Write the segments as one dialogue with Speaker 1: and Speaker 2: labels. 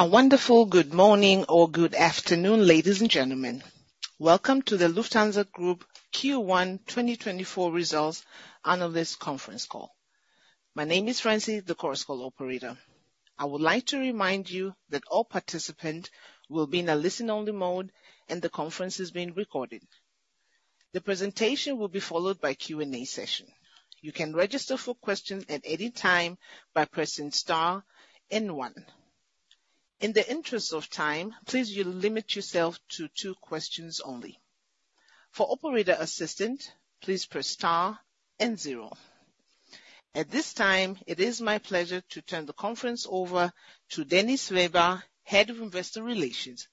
Speaker 1: A wonderful good morning or good afternoon, ladies and gentlemen. Welcome to the Lufthansa Group Q1 2024 results analyst conference call. My name is Francie, the conference call operator. I would like to remind you that all participants will be in a listen-only mode, and the conference is being recorded. The presentation will be followed by a Q&A session. You can register for questions at any time by pressing star and one. In the interest of time, please limit yourself to two questions only. For operator assistance, please press star and zero. At this time, it is my pleasure to turn the conference over to Dennis Weber, Head of Investor Relations.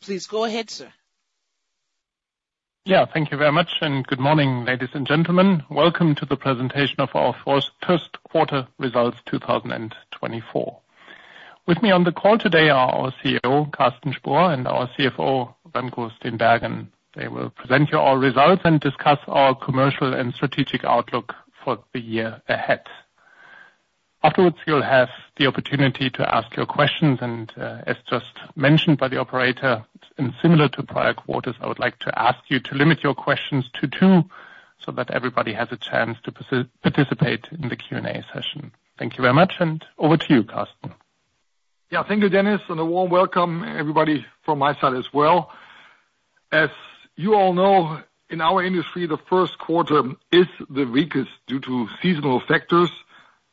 Speaker 1: Please go ahead, sir.
Speaker 2: Yeah, thank you very much, and good morning, ladies and gentlemen. Welcome to the presentation of our Q1 results, 2024. With me on the call today are our CEO, Carsten Spohr, and our CFO, Remco Steenbergen, and they will present you our results and discuss our commercial and strategic outlook for the year ahead. Afterwards, you'll have the opportunity to ask your questions, and, as just mentioned by the operator, and similar to prior quarters, I would like to ask you to limit your questions to two, so that everybody has a chance to participate in the Q&A session. Thank you very much, and over to you, Carsten.
Speaker 3: Yeah, thank you, Dennis, and a warm welcome, everybody, from my side as well. As you all know, in our industry, the Q1 is the weakest due to seasonal factors,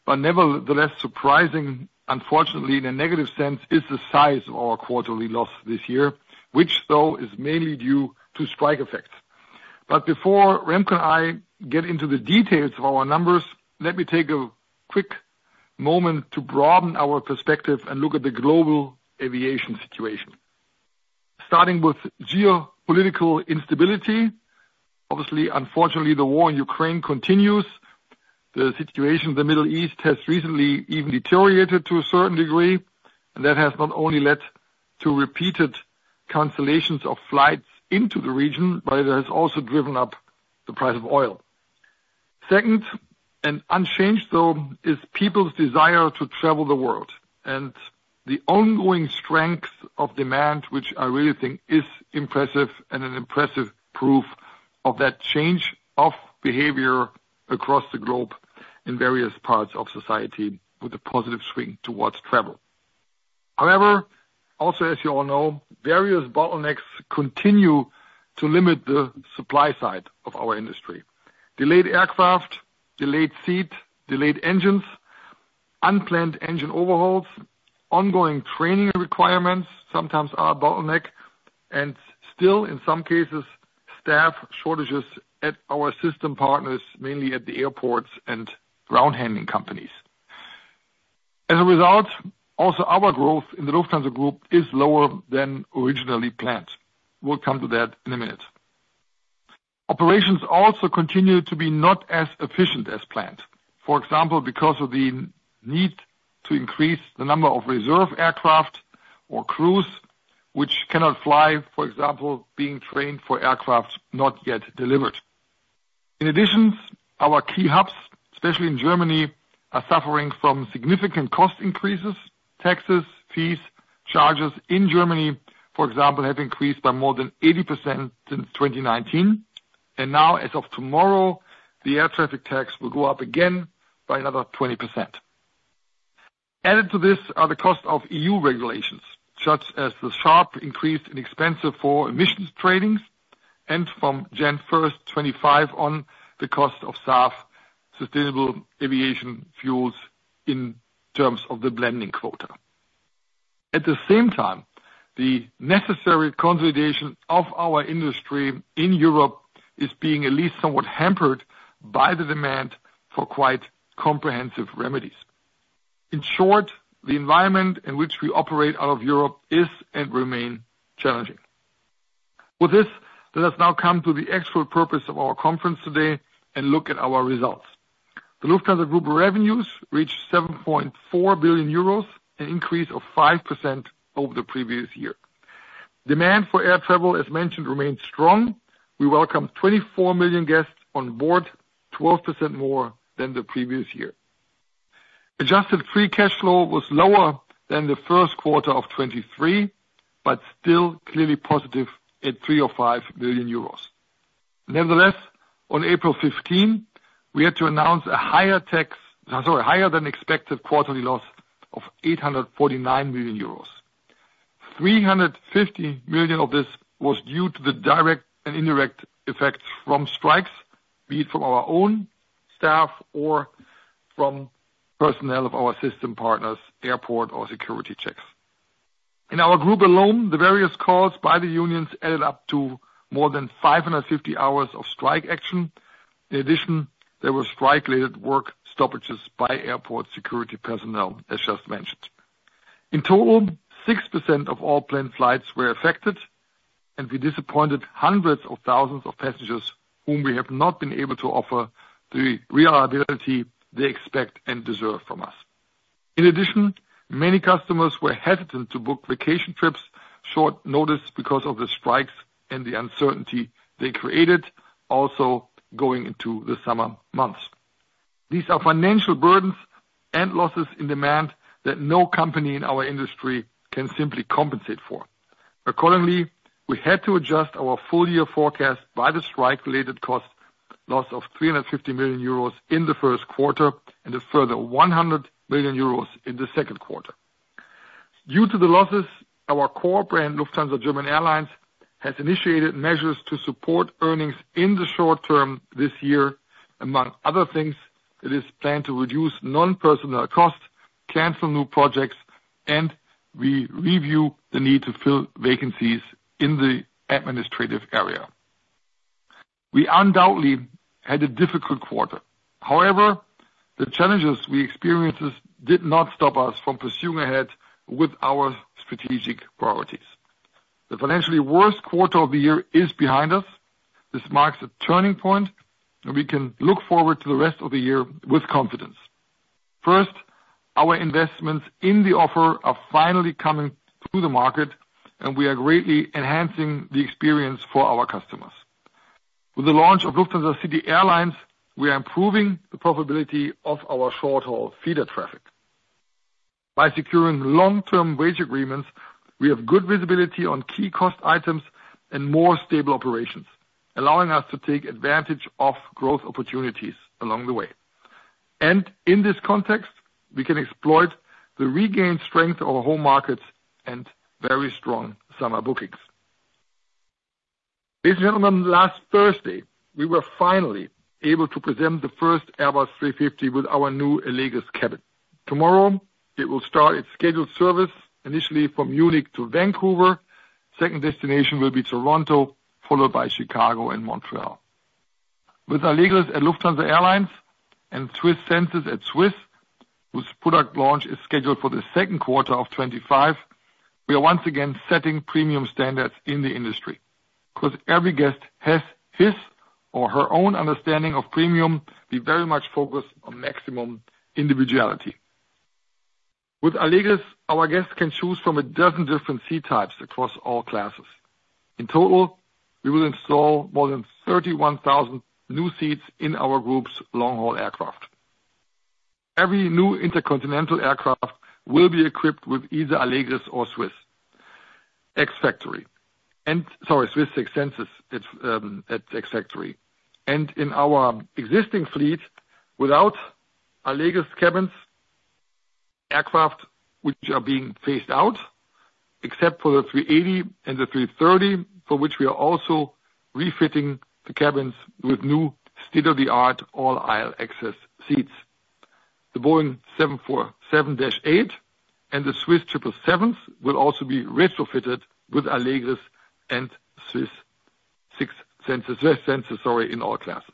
Speaker 3: but nevertheless, surprising, unfortunately, in a negative sense, is the size of our quarterly loss this year, which, though, is mainly due to strike effects. But before Remco and I get into the details of our numbers, let me take a quick moment to broaden our perspective and look at the global aviation situation. Starting with geopolitical instability, obviously, unfortunately, the war in Ukraine continues. The situation in the Middle East has recently even deteriorated to a certain degree, and that has not only led to repeated cancellations of flights into the region, but it has also driven up the price of oil. Second, and unchanged, though, is people's desire to travel the world, and the ongoing strength of demand, which I really think is impressive and an impressive proof of that change of behavior across the globe in various parts of society with a positive swing towards travel. However, also, as you all know, various bottlenecks continue to limit the supply side of our industry. Delayed aircraft, delayed seats, delayed engines, unplanned engine overhauls, ongoing training requirements, sometimes are a bottleneck, and still, in some cases, staff shortages at our system partners, mainly at the airports and ground handling companies. As a result, also our growth in the Lufthansa Group is lower than originally planned. We'll come to that in a minute. Operations also continue to be not as efficient as planned. For example, because of the need to increase the number of reserve aircraft or crews, which cannot fly, for example, being trained for aircraft not yet delivered. In addition, our key hubs, especially in Germany, are suffering from significant cost increases. Taxes, fees, charges in Germany, for example, have increased by more than 80% since 2019, and now, as of tomorrow, the air traffic tax will go up again by another 20%. Added to this are the cost of EU regulations, such as the sharp increase in expense for emissions trading, and from January 1, 2025 on, the cost of SAF, sustainable aviation fuels, in terms of the blending quota. At the same time, the necessary consolidation of our industry in Europe is being at least somewhat hampered by the demand for quite comprehensive remedies. In short, the environment in which we operate out of Europe is, and remain, challenging. With this, let us now come to the actual purpose of our conference today and look at our results. The Lufthansa Group revenues reached 7.4 billion euros, an increase of 5% over the previous year. Demand for air travel, as mentioned, remained strong. We welcomed 24 million guests on board, 12% more than the previous year. Adjusted free cash flow was lower than the Q1 of 2023, but still clearly positive at 35 million euros. Nevertheless, on April 15, we had to announce a higher tax, I'm sorry, higher than expected quarterly loss of 849 million euros. 350 million of this was due to the direct and indirect effects from strikes, be it from our own staff or from personnel of our system partners, airport, or security checks. In our group alone, the various calls by the unions added up to more than 550 hours of strike action. In addition, there were strike-related work stoppages by airport security personnel, as just mentioned. In total, 6% of all planned flights were affected, and we disappointed hundreds of thousands of passengers whom we have not been able to offer the reliability they expect and deserve from us. In addition, many customers were hesitant to book vacation trips short notice because of the strikes and the uncertainty they created, also going into the summer months.... These are financial burdens and losses in demand that no company in our industry can simply compensate for. Accordingly, we had to adjust our full year forecast by the strike-related cost loss of 350 million euros in the Q1, and a further 100 million euros in the Q2. Due to the losses, our core brand, Lufthansa German Airlines, has initiated measures to support earnings in the short term this year. Among other things, it is planned to reduce non-personnel costs, cancel new projects, and we review the need to fill vacancies in the administrative area. We undoubtedly had a difficult quarter. However, the challenges we experienced did not stop us from pressing ahead with our strategic priorities. The financially worst quarter of the year is behind us. This marks a turning point, and we can look forward to the rest of the year with confidence. First, our investments in the offer are finally coming to the market, and we are greatly enhancing the experience for our customers. With the launch of Lufthansa City Airlines, we are improving the profitability of our short-haul feeder traffic. By securing long-term wage agreements, we have good visibility on key cost items and more stable operations, allowing us to take advantage of growth opportunities along the way. In this context, we can exploit the regained strength of our home markets and very strong summer bookings. Ladies and gentlemen, last Thursday, we were finally able to present the first Airbus A350 with our new Allegris cabin. Tomorrow, it will start its scheduled service, initially from Munich to Vancouver. Second destination will be Toronto, followed by Chicago and Montreal. With Allegris at Lufthansa Airlines and SWISS Senses at SWISS, whose product launch is scheduled for the Q2 of 2025, we are once again setting premium standards in the industry. Because every guest has his or her own understanding of premium, we very much focus on maximum individuality. With Allegris, our guests can choose from a dozen different seat types across all classes. In total, we will install more than 31,000 new seats in our group's long-haul aircraft. Every new intercontinental aircraft will be equipped with either Allegris or SWISS Senses ex factory. And in our existing fleet, without Allegris cabins, aircraft which are being phased out, except for the A380 and the A330, for which we are also refitting the cabins with new state-of-the-art all aisle access seats. The Boeing 747-8 and the SWISS 777s will also be retrofitted with Allegris and SWISS Senses, SWISS Senses, sorry, in all classes.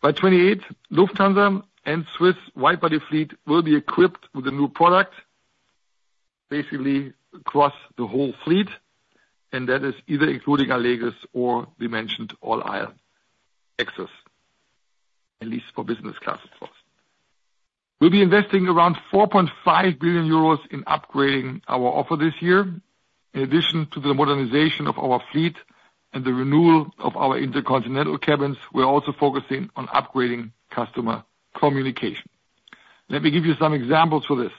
Speaker 3: By 2028, Lufthansa and SWISS wide-body fleet will be equipped with a new product, basically across the whole fleet, and that is either including Allegris or we mentioned all aisle access, at least for business class, of course. We'll be investing around 4.5 billion euros in upgrading our offer this year. In addition to the modernization of our fleet and the renewal of our intercontinental cabins, we're also focusing on upgrading customer communication. Let me give you some examples for this.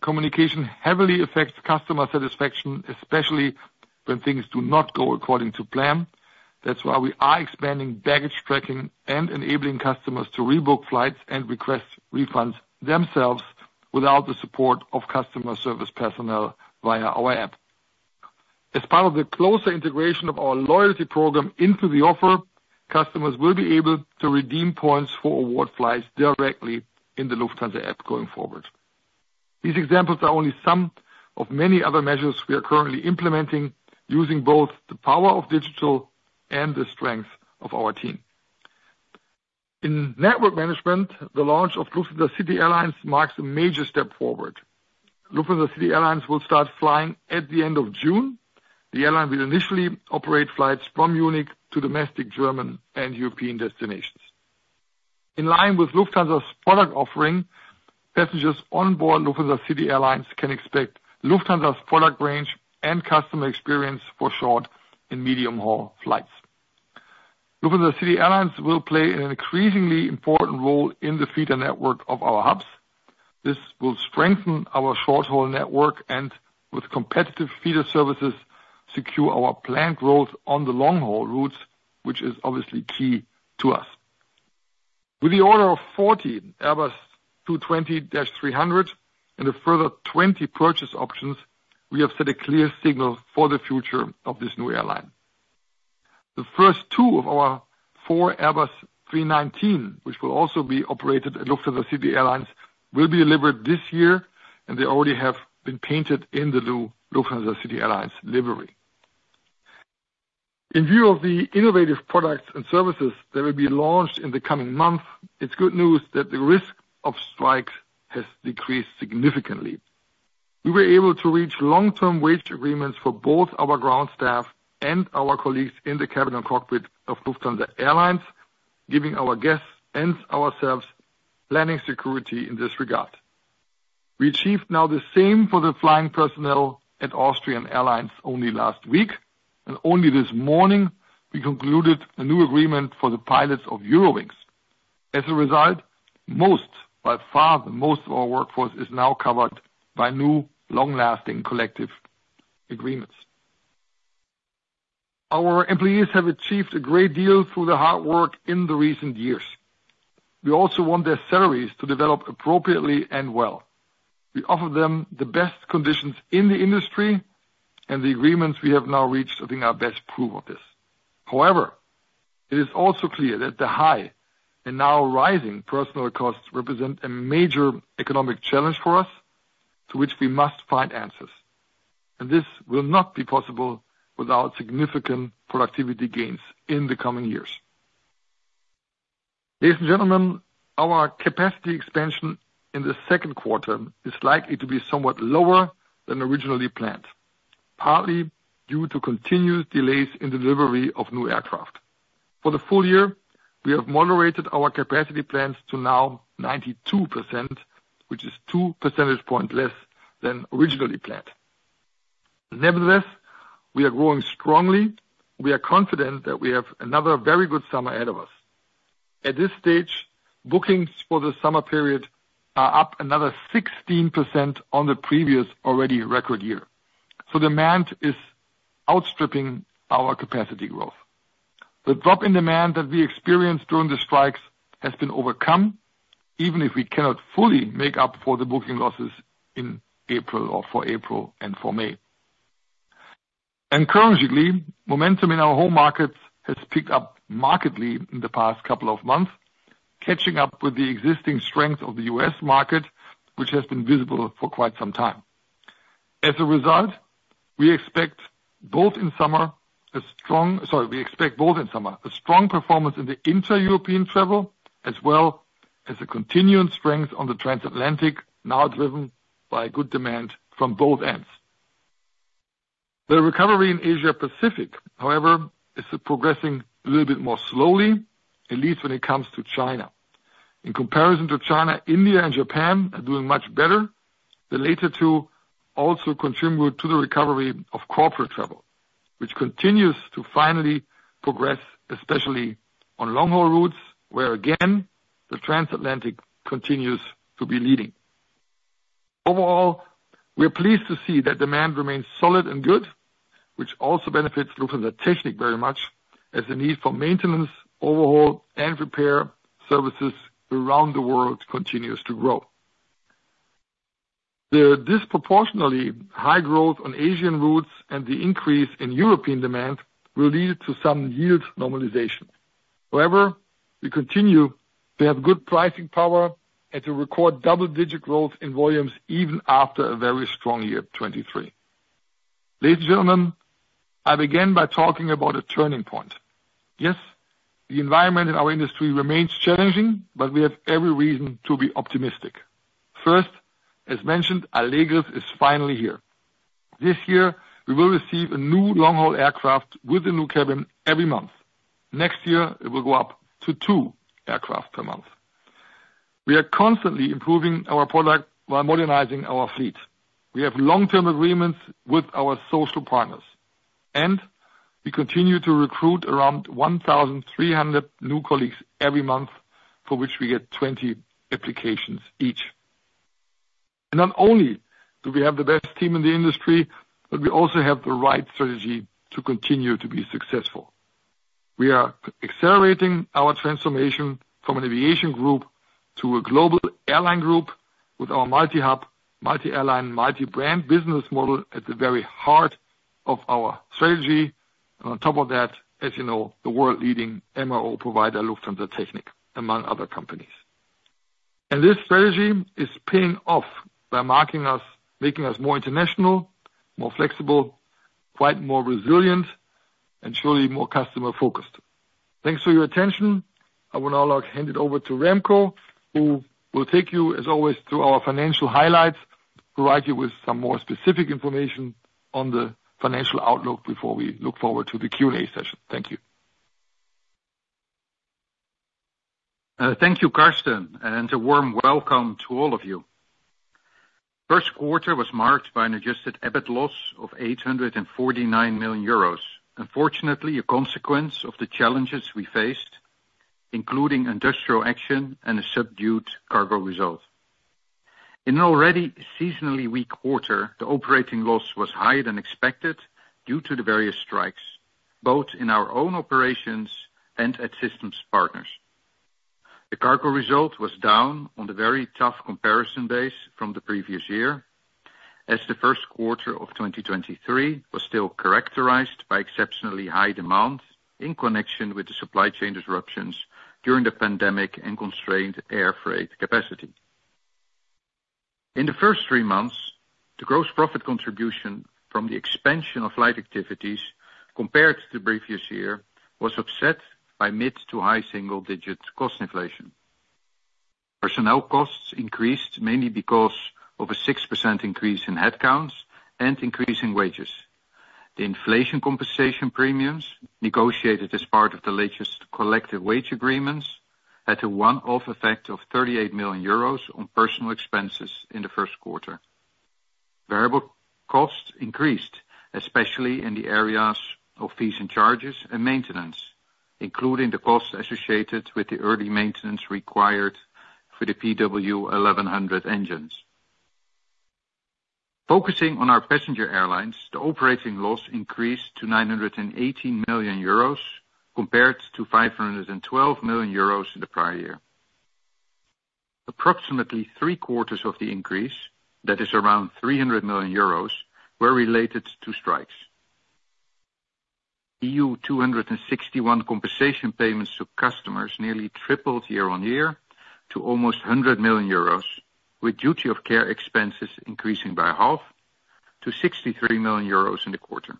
Speaker 3: Communication heavily affects customer satisfaction, especially when things do not go according to plan. That's why we are expanding baggage tracking and enabling customers to rebook flights and request refunds themselves without the support of customer service personnel via our app. As part of the closer integration of our loyalty program into the offer, customers will be able to redeem points for award flights directly in the Lufthansa app going forward. These examples are only some of many other measures we are currently implementing, using both the power of digital and the strength of our team. In network management, the launch of Lufthansa City Airlines marks a major step forward. Lufthansa City Airlines will start flying at the end of June. The airline will initially operate flights from Munich to domestic German and European destinations. In line with Lufthansa's product offering, passengers on board Lufthansa City Airlines can expect Lufthansa's product range and customer experience for short and medium-haul flights. Lufthansa City Airlines will play an increasingly important role in the feeder network of our hubs. This will strengthen our short-haul network, and with competitive feeder services, secure our planned growth on the long-haul routes, which is obviously key to us. With the order of 40 Airbus A220-300 and a further 20 purchase options, we have set a clear signal for the future of this new airline. The first two of our four Airbus A319, which will also be operated at Lufthansa City Airlines, will be delivered this year, and they already have been painted in the new Lufthansa City Airlines livery. In view of the innovative products and services that will be launched in the coming months, it's good news that the risk of strikes has decreased significantly. We were able to reach long-term wage agreements for both our ground staff and our colleagues in the cabin and cockpit of Lufthansa Airlines, giving our guests and ourselves planning security in this regard... We achieved now the same for the flying personnel at Austrian Airlines only last week, and only this morning, we concluded a new agreement for the pilots of Eurowings. As a result, most, by far, the most of our workforce is now covered by new, long-lasting collective agreements. Our employees have achieved a great deal through their hard work in the recent years. We also want their salaries to develop appropriately and well. We offer them the best conditions in the industry, and the agreements we have now reached, I think, are best proof of this. However, it is also clear that the high, and now rising personnel costs, represent a major economic challenge for us, to which we must find answers, and this will not be possible without significant productivity gains in the coming years. Ladies and gentlemen, our capacity expansion in the Q2 is likely to be somewhat lower than originally planned, partly due to continued delays in delivery of new aircraft. For the full year, we have moderated our capacity plans to now 92%, which is two percentage point less than originally planned. Nevertheless, we are growing strongly. We are confident that we have another very good summer ahead of us. At this stage, bookings for the summer period are up another 16% on the previous already record year, so demand is outstripping our capacity growth. The drop in demand that we experienced during the strikes has been overcome, even if we cannot fully make up for the booking losses in April, or for April and for May. Encouragingly, momentum in our home markets has picked up markedly in the past couple of months, catching up with the existing strength of the US market, which has been visible for quite some time. As a result, we expect both in summer a strong performance in the inter-European travel, as well as a continuing strength on the transatlantic, now driven by good demand from both ends. The recovery in Asia Pacific, however, is progressing a little bit more slowly, at least when it comes to China. In comparison to China, India and Japan are doing much better. The latter two also contribute to the recovery of corporate travel, which continues to finally progress, especially on long-haul routes, where, again, the transatlantic continues to be leading. Overall, we are pleased to see that demand remains solid and good, which also benefits Lufthansa Technik very much, as the need for maintenance, overhaul, and repair services around the world continues to grow. The disproportionately high growth on Asian routes and the increase in European demand will lead to some yield normalization. However, we continue to have good pricing power and to record double-digit growth in volumes even after a very strong year 2023. Ladies and gentlemen, I began by talking about a turning point. Yes, the environment in our industry remains challenging, but we have every reason to be optimistic. First, as mentioned, Allegris is finally here. This year, we will receive a new long-haul aircraft with a new cabin every month. Next year, it will go up to two aircraft per month. We are constantly improving our product while modernizing our fleet. We have long-term agreements with our social partners, and we continue to recruit around 1,300 new colleagues every month, for which we get 20 applications each. And not only do we have the best team in the industry, but we also have the right strategy to continue to be successful. We are accelerating our transformation from an aviation group to a global airline group with our multi-hub, multi-airline, multi-brand business model at the very heart of our strategy. On top of that, as you know, the world-leading MRO provider, Lufthansa Technik, among other companies. And this strategy is paying off by marking us, making us more international, more flexible, quite more resilient, and surely more customer-focused. Thanks for your attention. I will now hand it over to Remco, who will take you, as always, through our financial highlights, provide you with some more specific information on the financial outlook before we look forward to the Q&A session. Thank you.
Speaker 4: Thank you, Carsten, and a warm welcome to all of you. Q1 was marked by an adjusted EBIT loss of 849 million euros. Unfortunately, a consequence of the challenges we faced, including industrial action and a subdued cargo result. In an already seasonally weak quarter, the operating loss was higher than expected due to the various strikes, both in our own operations and at systems partners. The cargo result was down on the very tough comparison base from the previous year, as the Q1 of 2023 was still characterized by exceptionally high demand in connection with the supply chain disruptions during the pandemic and constrained air freight capacity. In the first three months, the gross profit contribution from the expansion of flight activities compared to the previous year was upset by mid- to high single-digit cost inflation. Personnel costs increased, mainly because of a 6% increase in headcounts and increase in wages. The inflation compensation premiums, negotiated as part of the latest collective wage agreements, had a one-off effect of 38 million euros on personnel expenses in the Q1. Variable costs increased, especially in the areas of fees and charges and maintenance, including the costs associated with the early maintenance required for the PW1100 engines. Focusing on our passenger airlines, the operating loss increased to 918 million euros, compared to 512 million euros in the prior year. Approximately three quarters of the increase, that is around 300 million euros, were related to strikes. EU 261 compensation payments to customers nearly tripled year-on-year to almost 100 million euros, with duty of care expenses increasing by half to 63 million euros in the quarter.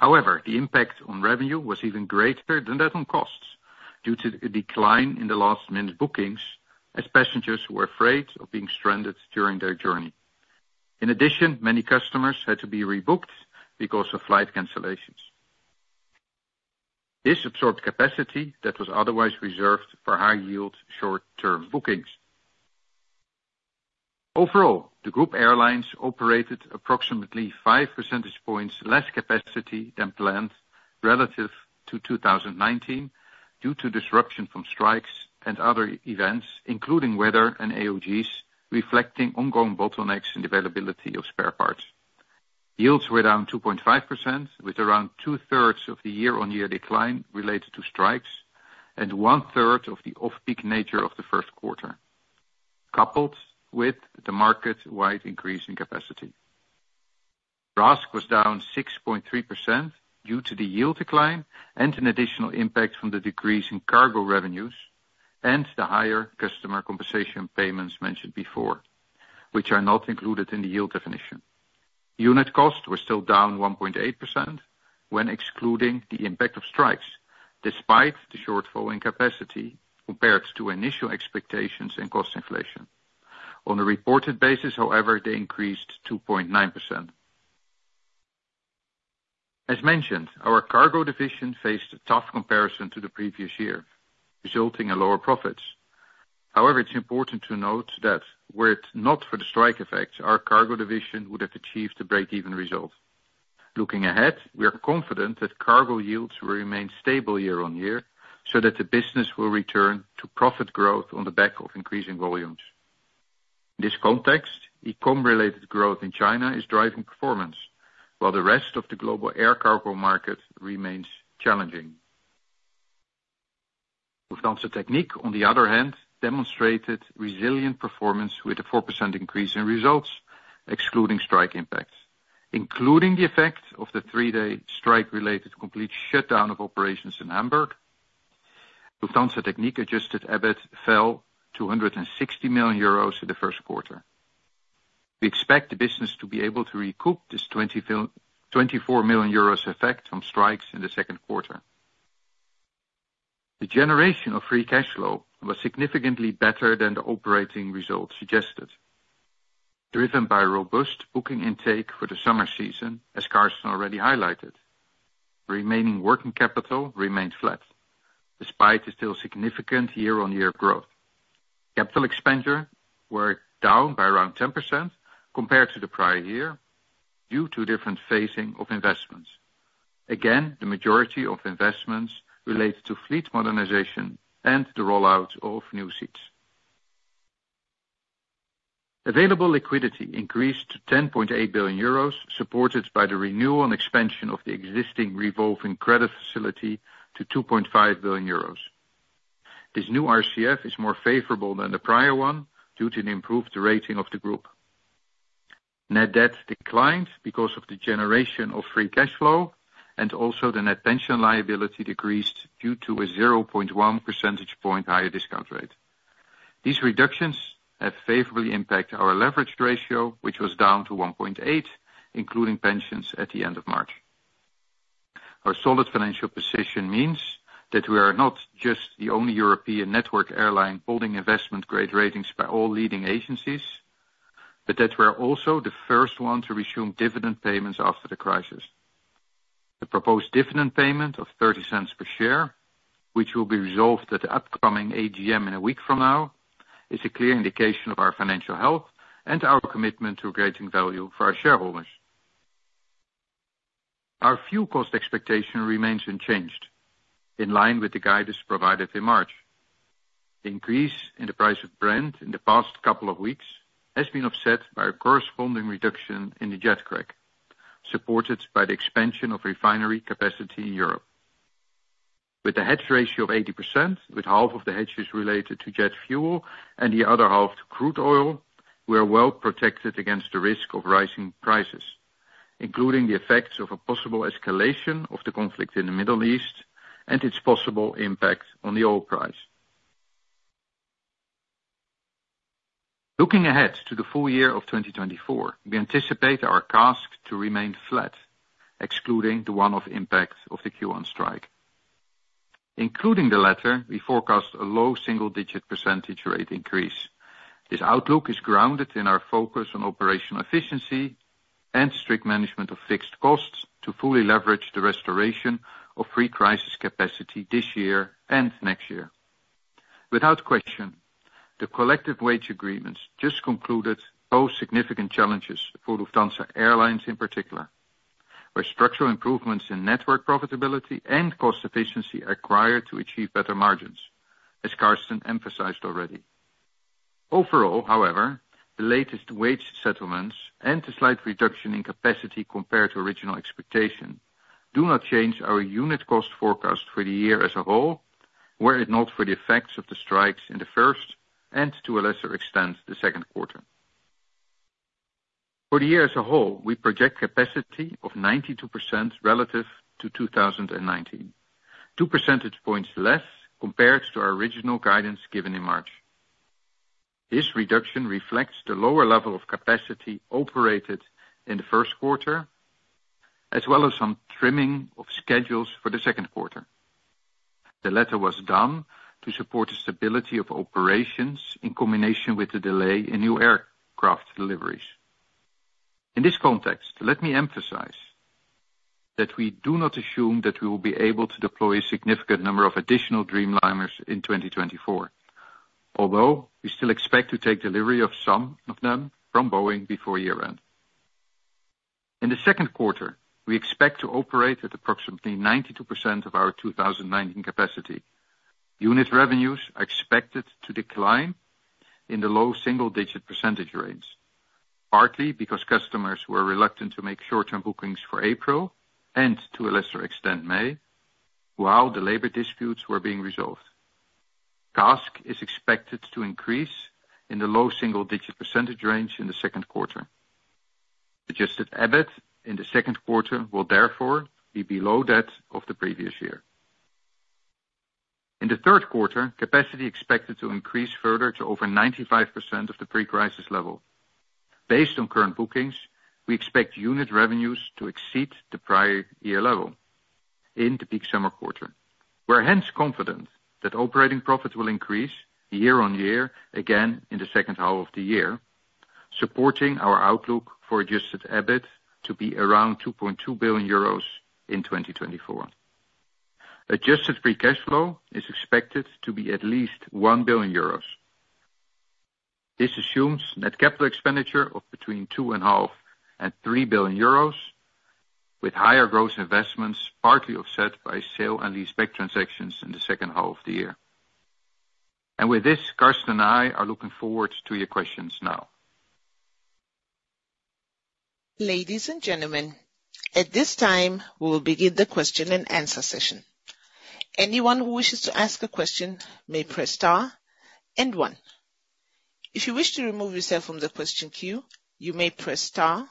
Speaker 4: However, the impact on revenue was even greater than that on costs, due to the decline in the last-minute bookings as passengers were afraid of being stranded during their journey. In addition, many customers had to be rebooked because of flight cancellations. This absorbed capacity that was otherwise reserved for high-yield, short-term bookings. Overall, the group airlines operated approximately 5 percentage points less capacity than planned relative to 2019, due to disruption from strikes and other events, including weather and AOGs, reflecting ongoing bottlenecks and availability of spare parts. Yields were down 2.5%, with around two-thirds of the year-on-year decline related to strikes, and one-third of the off-peak nature of the Q1, coupled with the market-wide increase in capacity. RASK was down 6.3% due to the yield decline and an additional impact from the decrease in cargo revenues, and the higher customer compensation payments mentioned before, which are not included in the yield definition. Unit costs were still down 1.8% when excluding the impact of strikes, despite the shortfall in capacity compared to initial expectations and cost inflation. On a reported basis, however, they increased 2.9%. As mentioned, our cargo division faced a tough comparison to the previous year, resulting in lower profits. However, it's important to note that were it not for the strike effects, our cargo division would have achieved a break-even result. Looking ahead, we are confident that cargo yields will remain stable year-on-year, so that the business will return to profit growth on the back of increasing volumes. In this context, e-com related growth in China is driving performance, while the rest of the global air cargo market remains challenging. Lufthansa Technik, on the other hand, demonstrated resilient performance with a 4% increase in results, excluding strike impacts. Including the effect of the three-day strike related to complete shutdown of operations in Hamburg, Lufthansa Technik adjusted EBIT fell to 160 million euros in the Q1. We expect the business to be able to recoup this 24 million euros effect from strikes in the Q2. The generation of free cash flow was significantly better than the operating results suggested, driven by robust booking intake for the summer season, as Carsten already highlighted. Remaining working capital remained flat, despite the still significant year-on-year growth. Capital expenditures were down by around 10% compared to the prior year, due to different phasing of investments. Again, the majority of investments related to fleet modernization and the rollout of new seats. Available liquidity increased to 10.8 billion euros, supported by the renewal and expansion of the existing revolving credit facility to 2.5 billion euros. This new RCF is more favorable than the prior one, due to the improved rating of the group. Net debt declined because of the generation of free cash flow, and also the net pension liability decreased due to a 0.1 percentage point higher discount rate. These reductions have favorably impacted our leverage ratio, which was down to 1.8, including pensions at the end of March. Our solid financial position means that we are not just the only European network airline holding Investment Grade ratings by all leading agencies, but that we are also the first one to resume dividend payments after the crisis. The proposed dividend payment of 0.30 per share, which will be resolved at the upcoming AGM in a week from now, is a clear indication of our financial health and our commitment to creating value for our shareholders. Our fuel cost expectation remains unchanged, in line with the guidance provided in March. The increase in the price of Brent in the past couple of weeks has been offset by a corresponding reduction in the jet crack, supported by the expansion of refinery capacity in Europe. With a hedge ratio of 80%, with half of the hedges related to jet fuel and the other half to crude oil, we are well protected against the risk of rising prices, including the effects of a possible escalation of the conflict in the Middle East and its possible impact on the oil price. Looking ahead to the full year of 2024, we anticipate our CASK to remain flat, excluding the one-off impact of the Q1 strike. Including the latter, we forecast a low single-digit percentage rate increase. This outlook is grounded in our focus on operational efficiency and strict management of fixed costs to fully leverage the restoration of pre-crisis capacity this year and next year. Without question, the collective wage agreements just concluded pose significant challenges for Lufthansa Airlines in particular, where structural improvements in network profitability and cost efficiency are required to achieve better margins, as Carsten emphasized already. Overall, however, the latest wage settlements and the slight reduction in capacity compared to original expectation, do not change our unit cost forecast for the year as a whole, were it not for the effects of the strikes in the first, and to a lesser extent, the Q2. For the year as a whole, we project capacity of 92% relative to 2019. Two percentage points less compared to our original guidance given in March. This reduction reflects the lower level of capacity operated in the Q1, as well as some trimming of schedules for the Q2. The latter was done to support the stability of operations in combination with the delay in new aircraft deliveries. In this context, let me emphasize that we do not assume that we will be able to deploy a significant number of additional Dreamliners in 2024, although we still expect to take delivery of some of them from Boeing before year-end. In the Q2, we expect to operate at approximately 92% of our 2019 capacity. Unit revenues are expected to decline in the low single-digit percentage range, partly because customers were reluctant to make short-term bookings for April, and to a lesser extent, May, while the labor disputes were being resolved. CASK is expected to increase in the low single-digit percentage range in the Q2. Adjusted EBIT in the Q2 will therefore be below that of the previous year. In the Q3, capacity expected to increase further to over 95% of the pre-crisis level. Based on current bookings, we expect unit revenues to exceed the prior year level in the peak summer quarter. We're hence confident that operating profits will increase year-on-year, again, in the H2 of the year, supporting our outlook for adjusted EBIT to be around 2.2 billion euros in 2024. Adjusted free cash flow is expected to be at least 1 billion euros. This assumes net capital expenditure of between 2.5 billion and 3 billion euros, with higher gross investments, partly offset by sale and leaseback transactions in the H2 of the year. With this, Carsten and I are looking forward to your questions now.
Speaker 1: Ladies and gentlemen, at this time, we will begin the question and answer session. Anyone who wishes to ask a question may press star and one. If you wish to remove yourself from the question queue, you may press star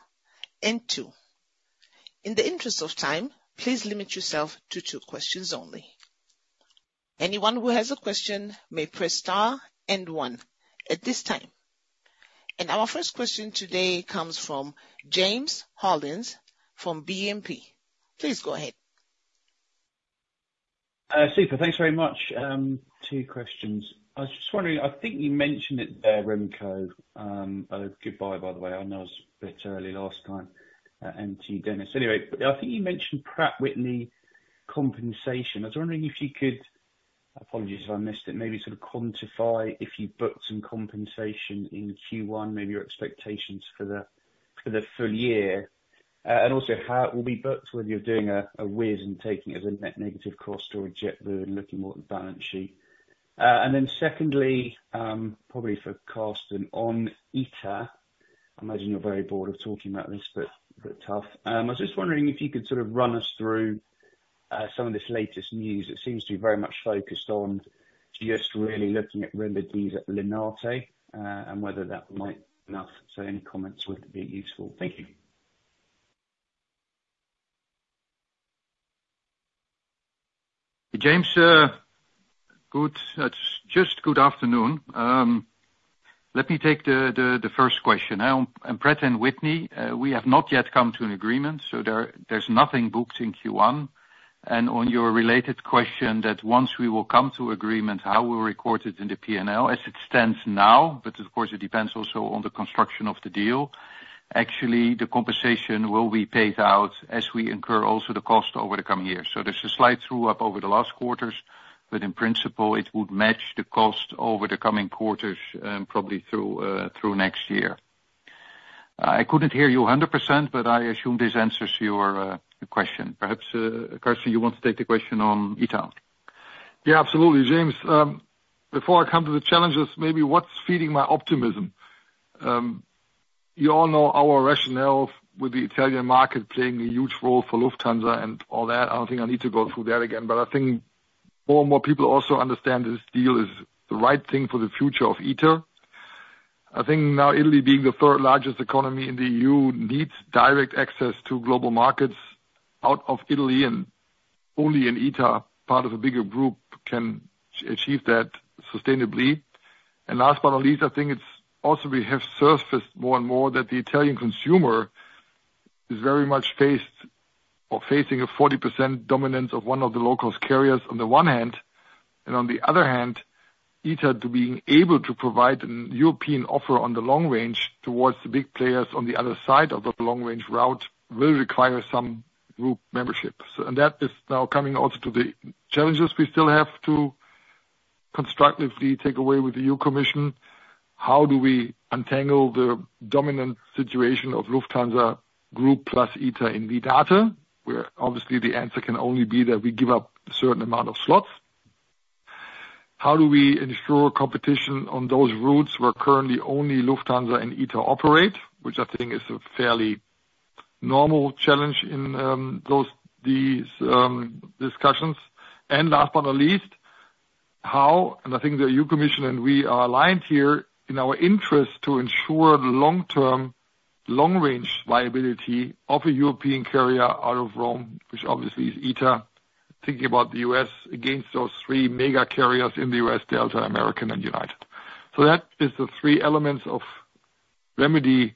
Speaker 1: and two. In the interest of time, please limit yourself to two questions only. Anyone who has a question may press star and one at this time. Our first question today comes from James Hollins from BNP. Please go ahead.
Speaker 5: Super, thanks very much. Two questions. I was just wondering, I think you mentioned it there, Remco, oh, goodbye, by the way, I know I was a bit early last time, and to you, Dennis. Anyway, I think you mentioned Pratt & Whitney compensation. I was wondering if you could, apologies if I missed it, maybe sort of quantify if you've booked some compensation in Q1, maybe your expectations for the full year, and also how it will be booked, whether you're doing a whiz and taking it as a net negative cost or a JetBlue and looking more at the balance sheet. And then secondly, probably for Carsten on ITA. I imagine you're very bored of talking about this, but pretty tough. I was just wondering if you could sort of run us through some of this latest news. It seems to be very much focused on just really looking at remedies at Linate, and whether that might enough, so any comments would be useful. Thank you.
Speaker 4: James, good afternoon. Let me take the first question. On Pratt & Whitney, we have not yet come to an agreement, so there's nothing booked in Q1. On your related question, that once we will come to agreement, how we'll record it in the P&L, as it stands now, but of course, it depends also on the construction of the deal. Actually, the compensation will be paid out as we incur also the cost over the coming years. So there's a slight true-up over the last quarters, but in principle, it would match the cost over the coming quarters, probably through next year. I couldn't hear you 100%, but I assume this answers your question. Perhaps, Carsten, you want to take the question on ITA?
Speaker 3: Yeah, absolutely. James, before I come to the challenges, maybe what's feeding my optimism? You all know our rationale with the Italian market playing a huge role for Lufthansa and all that. I don't think I need to go through that again, but I think more and more people also understand this deal is the right thing for the future of ITA. I think now Italy, being the third largest economy in the EU, needs direct access to global markets out of Italy, and only in ITA, part of a bigger group, can achieve that sustainably. And last but not least, I think it's also we have surfaced more and more that the Italian consumer-... is very much faced or facing a 40% dominance of one of the local carriers on the one hand, and on the other hand, ITA to being able to provide a European offer on the long range towards the big players on the other side of the long range route will require some group membership. So and that is now coming also to the challenges we still have to constructively take away with the EU Commission. How do we untangle the dominant situation of Lufthansa Group plus ITA in Italy? Where obviously the answer can only be that we give up a certain amount of slots. How do we ensure competition on those routes where currently only Lufthansa and ITA operate? Which I think is a fairly normal challenge in those discussions. Last but not least, how, and I think the EU Commission and we are aligned here in our interest to ensure the long-term, long-range viability of a European carrier out of Rome, which obviously is ITA, thinking about the U.S. against those three mega carriers in the U.S., Delta, American, and United. So that is the three elements of remedy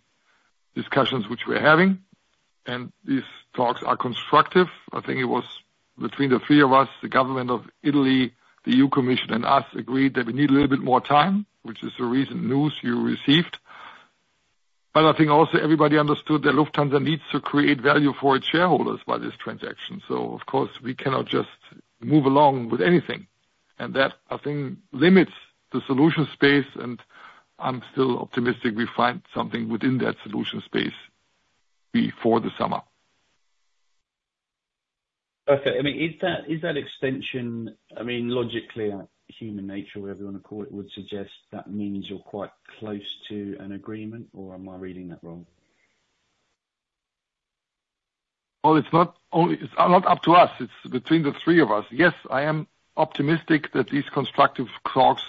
Speaker 3: discussions which we're having, and these talks are constructive. I think it was between the three of us, the government of Italy, the EU Commission, and us agreed that we need a little bit more time, which is the recent news you received. But I think also everybody understood that Lufthansa needs to create value for its shareholders by this transaction. So of course, we cannot just move along with anything. That, I think, limits the solution space, and I'm still optimistic we find something within that solution space before the summer.
Speaker 5: Okay. I mean, is that, is that extension, I mean, logically, human nature, whatever you want to call it, would suggest that means you're quite close to an agreement, or am I reading that wrong?
Speaker 3: Well, it's not up to us, it's between the three of us. Yes, I am optimistic that these constructive talks,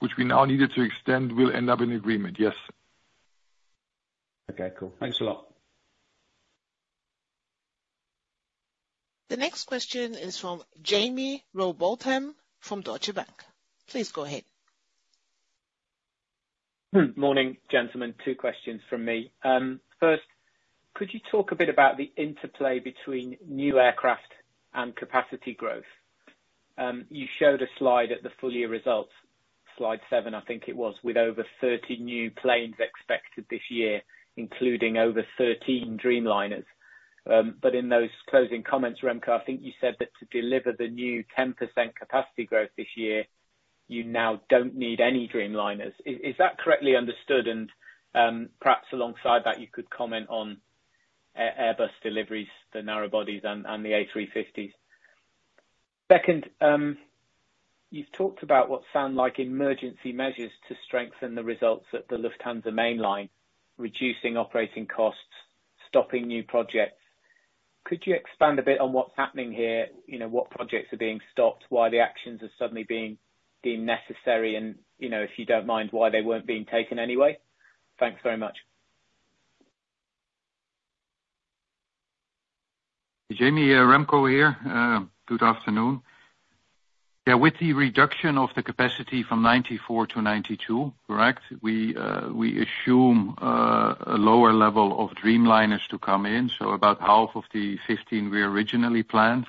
Speaker 3: which we now needed to extend, will end up in agreement, yes.
Speaker 5: Okay, cool. Thanks a lot.
Speaker 1: The next question is from Jaime Rowbotham from Deutsche Bank. Please go ahead.
Speaker 6: Morning, gentlemen. Two questions from me. First, could you talk a bit about the interplay between new aircraft and capacity growth? You showed a slide at the full year results, slide seven, I think it was, with over 30 new planes expected this year, including over 13 Dreamliners. But in those closing comments, Remco, I think you said that to deliver the new 10% capacity growth this year, you now don't need any Dreamliners. Is that correctly understood? And, perhaps alongside that, you could comment on Airbus deliveries, the narrow bodies and the A350s. Second, you've talked about what sound like emergency measures to strengthen the results at the Lufthansa mainline, reducing operating costs, stopping new projects. Could you expand a bit on what's happening here? You know, what projects are being stopped, why the actions are suddenly being deemed necessary, and, you know, if you don't mind, why they weren't being taken anyway? Thanks very much.
Speaker 4: Jamie, Remco here. Good afternoon. Yeah, with the reduction of the capacity from 94-92, correct, we, we assume, a lower level of Dreamliners to come in, so about half of the 15 we originally planned.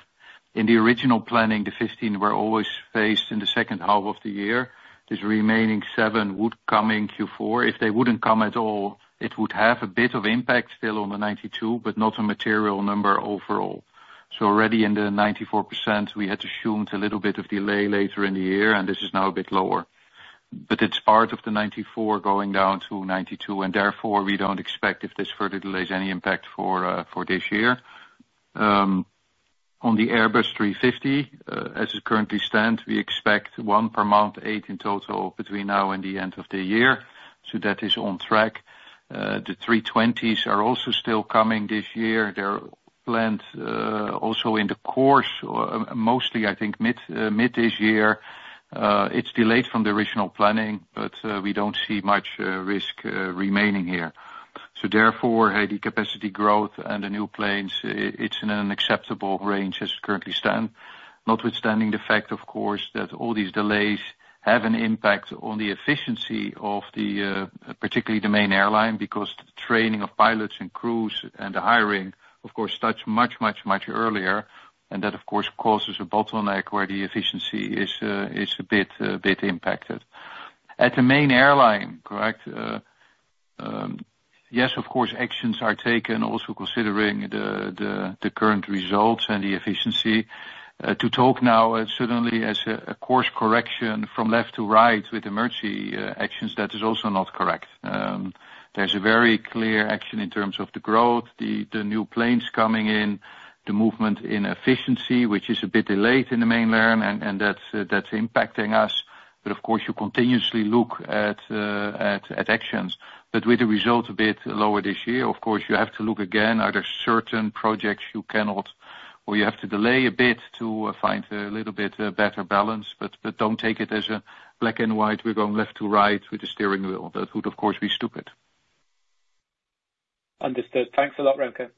Speaker 4: In the original planning, the 15 were always phased in the H2 of the year. This remaining seven would come in Q4. If they wouldn't come at all, it would have a bit of impact still on the 92, but not a material number overall. So already in the 94%, we had to assume it's a little bit of delay later in the year, and this is now a bit lower. But it's part of the 94 going down to 92, and therefore, we don't expect, if this further delays, any impact for, for this year. On the Airbus 350, as it currently stands, we expect one per month, eight in total, between now and the end of the year. So that is on track. The 320s are also still coming this year. They're planned, also in the course, mostly, I think, mid this year. It's delayed from the original planning, but, we don't see much risk remaining here. So therefore, the capacity growth and the new planes, it's in an acceptable range as it currently stand. Notwithstanding the fact, of course, that all these delays have an impact on the efficiency of the, particularly the main airline, because the training of pilots and crews and the hiring, of course, starts much, much, much earlier, and that, of course, causes a bottleneck where the efficiency is a bit impacted. At the main airline, correct, yes, of course, actions are taken, also considering the current results and the efficiency. To talk now suddenly as a course correction from left to right with emergency actions, that is also not correct. There's a very clear action in terms of the growth, the new planes coming in, the movement in efficiency, which is a bit delayed in the main line, and that's impacting us. But of course, you continuously look at actions, but with the results a bit lower this year, of course you have to look again, are there certain projects you cannot or you have to delay a bit to find a little bit better balance, but don't take it as a black and white, we're going left to right with the steering wheel. That would of course be stupid.
Speaker 6: Understood. Thanks a lot, Remco....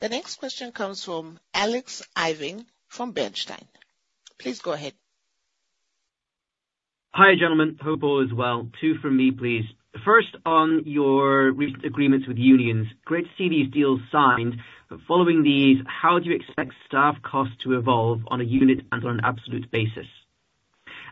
Speaker 1: The next question comes from Alex Irving from Bernstein. Please go ahead.
Speaker 7: Hi, gentlemen. Hope all is well. Two from me, please. First, on your recent agreements with unions, great to see these deals signed, but following these, how do you expect staff costs to evolve on a unit and on an absolute basis?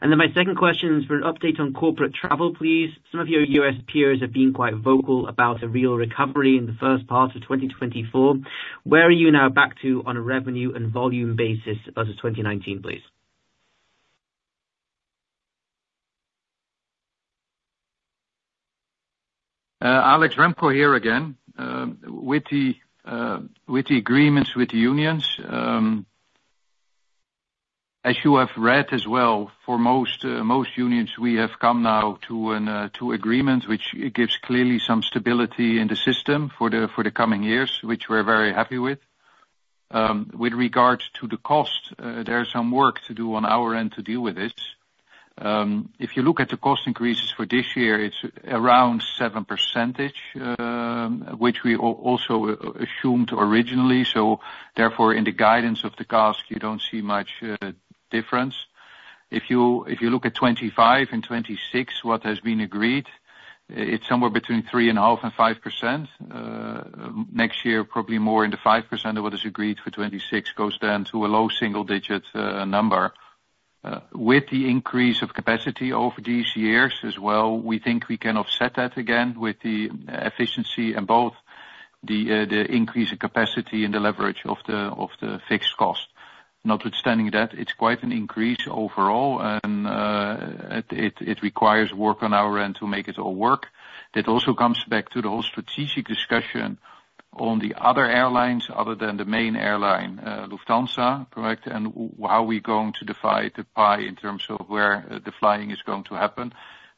Speaker 7: And then my second question is for an update on corporate travel, please. Some of your U.S. peers have been quite vocal about a real recovery in the first part of 2024. Where are you now back to on a revenue and volume basis versus 2019, please?
Speaker 4: Alex, Remco here again. With the agreements with the unions, as you have read as well, for most unions, we have come now to an agreement, which it gives clearly some stability in the system for the coming years, which we're very happy with. With regards to the cost, there is some work to do on our end to deal with this. If you look at the cost increases for this year, it's around 7%, which we also assumed originally. So therefore, in the guidance of the cost, you don't see much difference. If you look at 2025 and 2026, what has been agreed, it's somewhere between 3.5% and 5%. Next year, probably more in the 5% of what is agreed for 2026 goes down to a low single digit number. With the increase of capacity over these years as well, we think we can offset that again with the efficiency and both the increase in capacity and the leverage of the fixed cost. Notwithstanding that, it's quite an increase overall, and it requires work on our end to make it all work. That also comes back to the whole strategic discussion on the other airlines, other than the main airline, Lufthansa, correct? And how we're going to divide the pie in terms of where the flying is going to happen.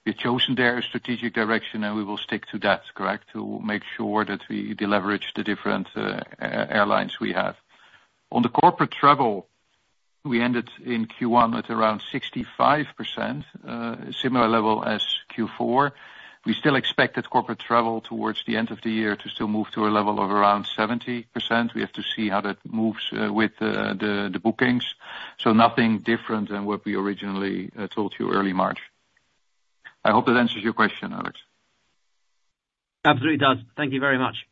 Speaker 4: We've chosen their strategic direction, and we will stick to that, correct, to make sure that we deleverage the different airlines we have. On the corporate travel, we ended in Q1 at around 65%, similar level as Q4. We still expected corporate travel towards the end of the year to still move to a level of around 70%. We have to see how that moves, with the bookings. So nothing different than what we originally told you early March. I hope that answers your question, Alex.
Speaker 7: Absolutely, it does. Thank you very much.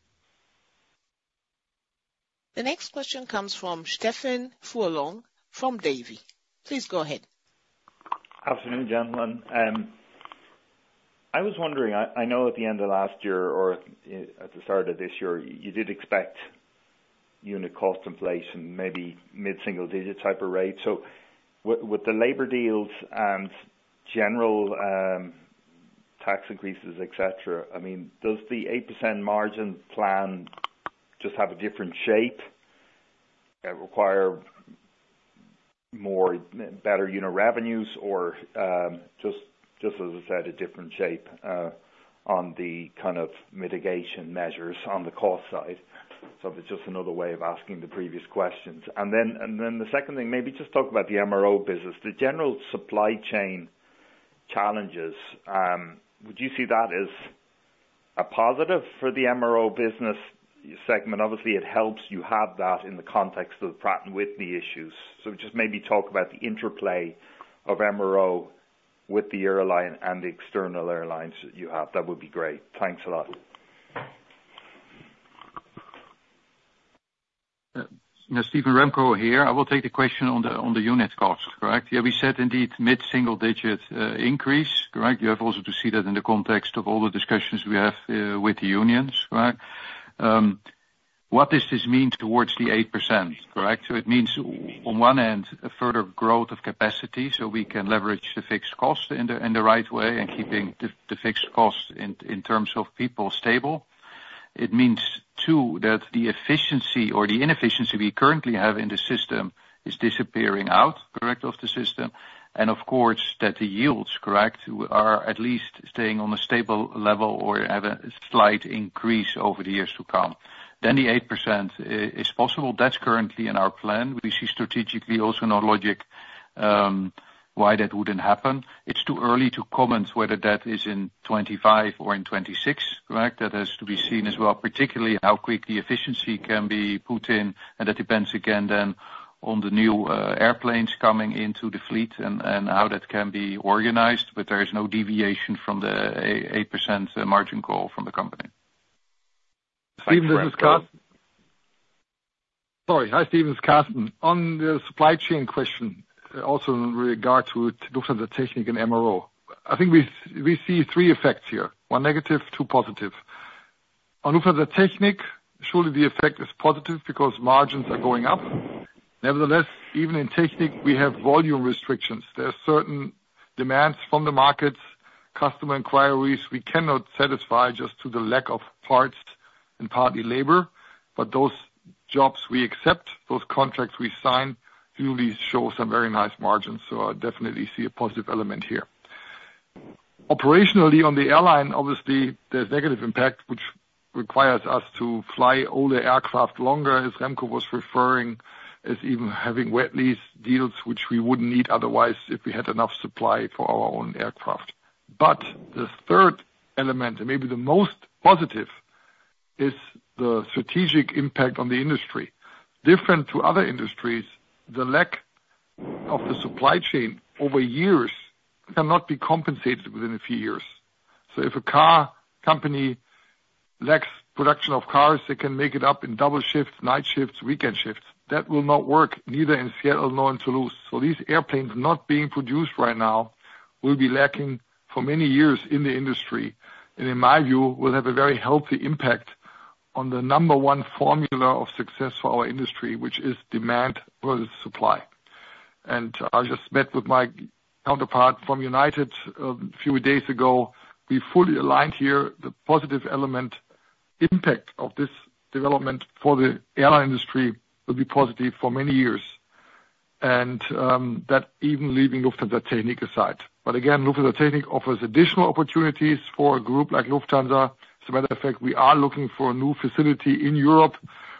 Speaker 1: The next question comes from Stephen Furlong, from Davy. Please go ahead.
Speaker 8: Afternoon, gentlemen. I was wondering, I know at the end of last year or at the start of this year, you did expect unit cost inflation, maybe mid-single digit type of rate. So with the labor deals and general tax increases, et cetera, I mean, does the 8% margin plan just have a different shape that require more, better unit revenues, or just as I said, a different shape on the kind of mitigation measures on the cost side? So it's just another way of asking the previous questions. And then the second thing, maybe just talk about the MRO business. The general supply chain challenges, would you see that as a positive for the MRO business segment? Obviously, it helps you have that in the context of the Pratt & Whitney issues. Just maybe talk about the interplay of MRO with the airline and the external airlines that you have. That would be great. Thanks a lot.
Speaker 4: Stephen, Remco here. I will take the question on the unit cost, correct? Yeah, we said indeed, mid-single digit increase, correct? You have also to see that in the context of all the discussions we have with the unions, correct? What does this mean towards the 8%, correct? So it means on one end, a further growth of capacity, so we can leverage the fixed cost in the right way, and keeping the fixed cost in terms of people stable. It means, too, that the efficiency or the inefficiency we currently have in the system is disappearing out of the system, and of course, that the yields are at least staying on a stable level or have a slight increase over the years to come, correct. Then the 8% is possible. That's currently in our plan. We see strategically also no logic why that wouldn't happen. It's too early to comment whether that is in 2025 or in 2026, correct? That has to be seen as well, particularly how quick the efficiency can be put in, and that depends again, then, on the new airplanes coming into the fleet and how that can be organized, but there is no deviation from the 8% margin call from the company.
Speaker 3: Stephen, this is Carsten. Sorry. Hi, Stephen, it's Carsten. On the supply chain question, also in regard to Lufthansa Technik and MRO, I think we, we see three effects here, one negative, two positive. On Lufthansa Technik, surely the effect is positive because margins are going up. Nevertheless, even in Technik, we have volume restrictions. There are certain demands from the markets, customer inquiries we cannot satisfy just to the lack of parts and partly labor, but those jobs we accept, those contracts we sign, usually show some very nice margins, so I definitely see a positive element here. Operationally, on the airline, obviously, there's negative impact, which requires us to fly all the aircraft longer, as Remco was referring, as even having wet lease deals, which we wouldn't need otherwise if we had enough supply for our own aircraft. But the third element, and maybe the most positive, is the strategic impact on the industry. Different to other industries, the lack of the supply chain over years cannot be compensated within a few years. So if a car company lacks production of cars, they can make it up in double shifts, night shifts, weekend shifts. That will not work neither in Seattle nor in Toulouse. So these airplanes not being produced right now will be lacking for many years in the industry, and in my view, will have a very healthy impact on the number one formula of success for our industry, which is demand versus supply. And I just met with my counterpart from United, a few days ago. We fully aligned here the positive element impact of this development for the airline industry will be positive for many years, and that even leaving Lufthansa Technik aside. But again, Lufthansa Technik offers additional opportunities for a group like Lufthansa. As a matter of fact, we are looking for a new facility in Europe,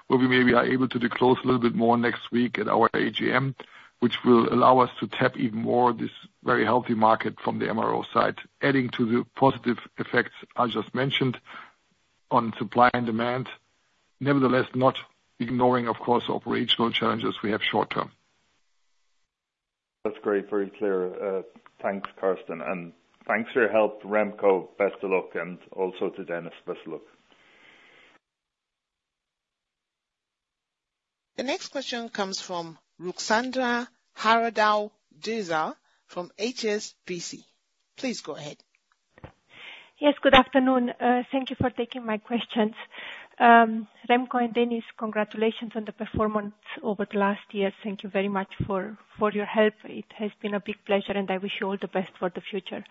Speaker 3: where we maybe are able to disclose a little bit more next week at our AGM, which will allow us to tap even more this very healthy market from the MRO side, adding to the positive effects I just mentioned on supply and demand. Nevertheless, not ignoring, of course, operational challenges we have short term.
Speaker 8: That's great, very clear. Thanks, Carsten, and thanks for your help, Remco. Best of luck, and also to Dennis, best of luck.
Speaker 1: The next question comes from Ruxandra Haradau-Döser from HSBC. Please go ahead.
Speaker 9: Yes, good afternoon. Thank you for taking my questions. Remco and Dennis, congratulations on the performance over the last year. Thank you very much for your help. It has been a big pleasure, and I wish you all the best for the future.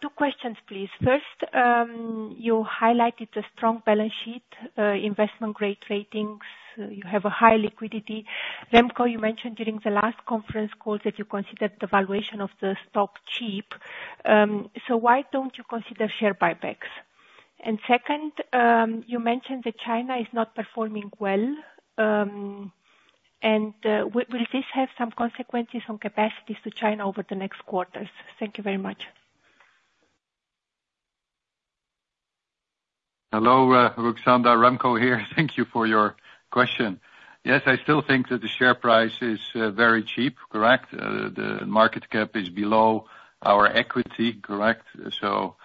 Speaker 9: Two questions, please. First, you highlighted the strong balance sheet, investment-grade ratings. You have a high liquidity. Remco, you mentioned during the last conference call that you considered the valuation of the stock cheap, so why don't you consider share buybacks? And second, you mentioned that China is not performing well, and will this have some consequences on capacities to China over the next quarters? Thank you very much.
Speaker 4: Hello, Ruxandra, Remco here. Thank you for your question. Yes, I still think that the share price is very cheap, correct. The market cap is below our equity, correct? So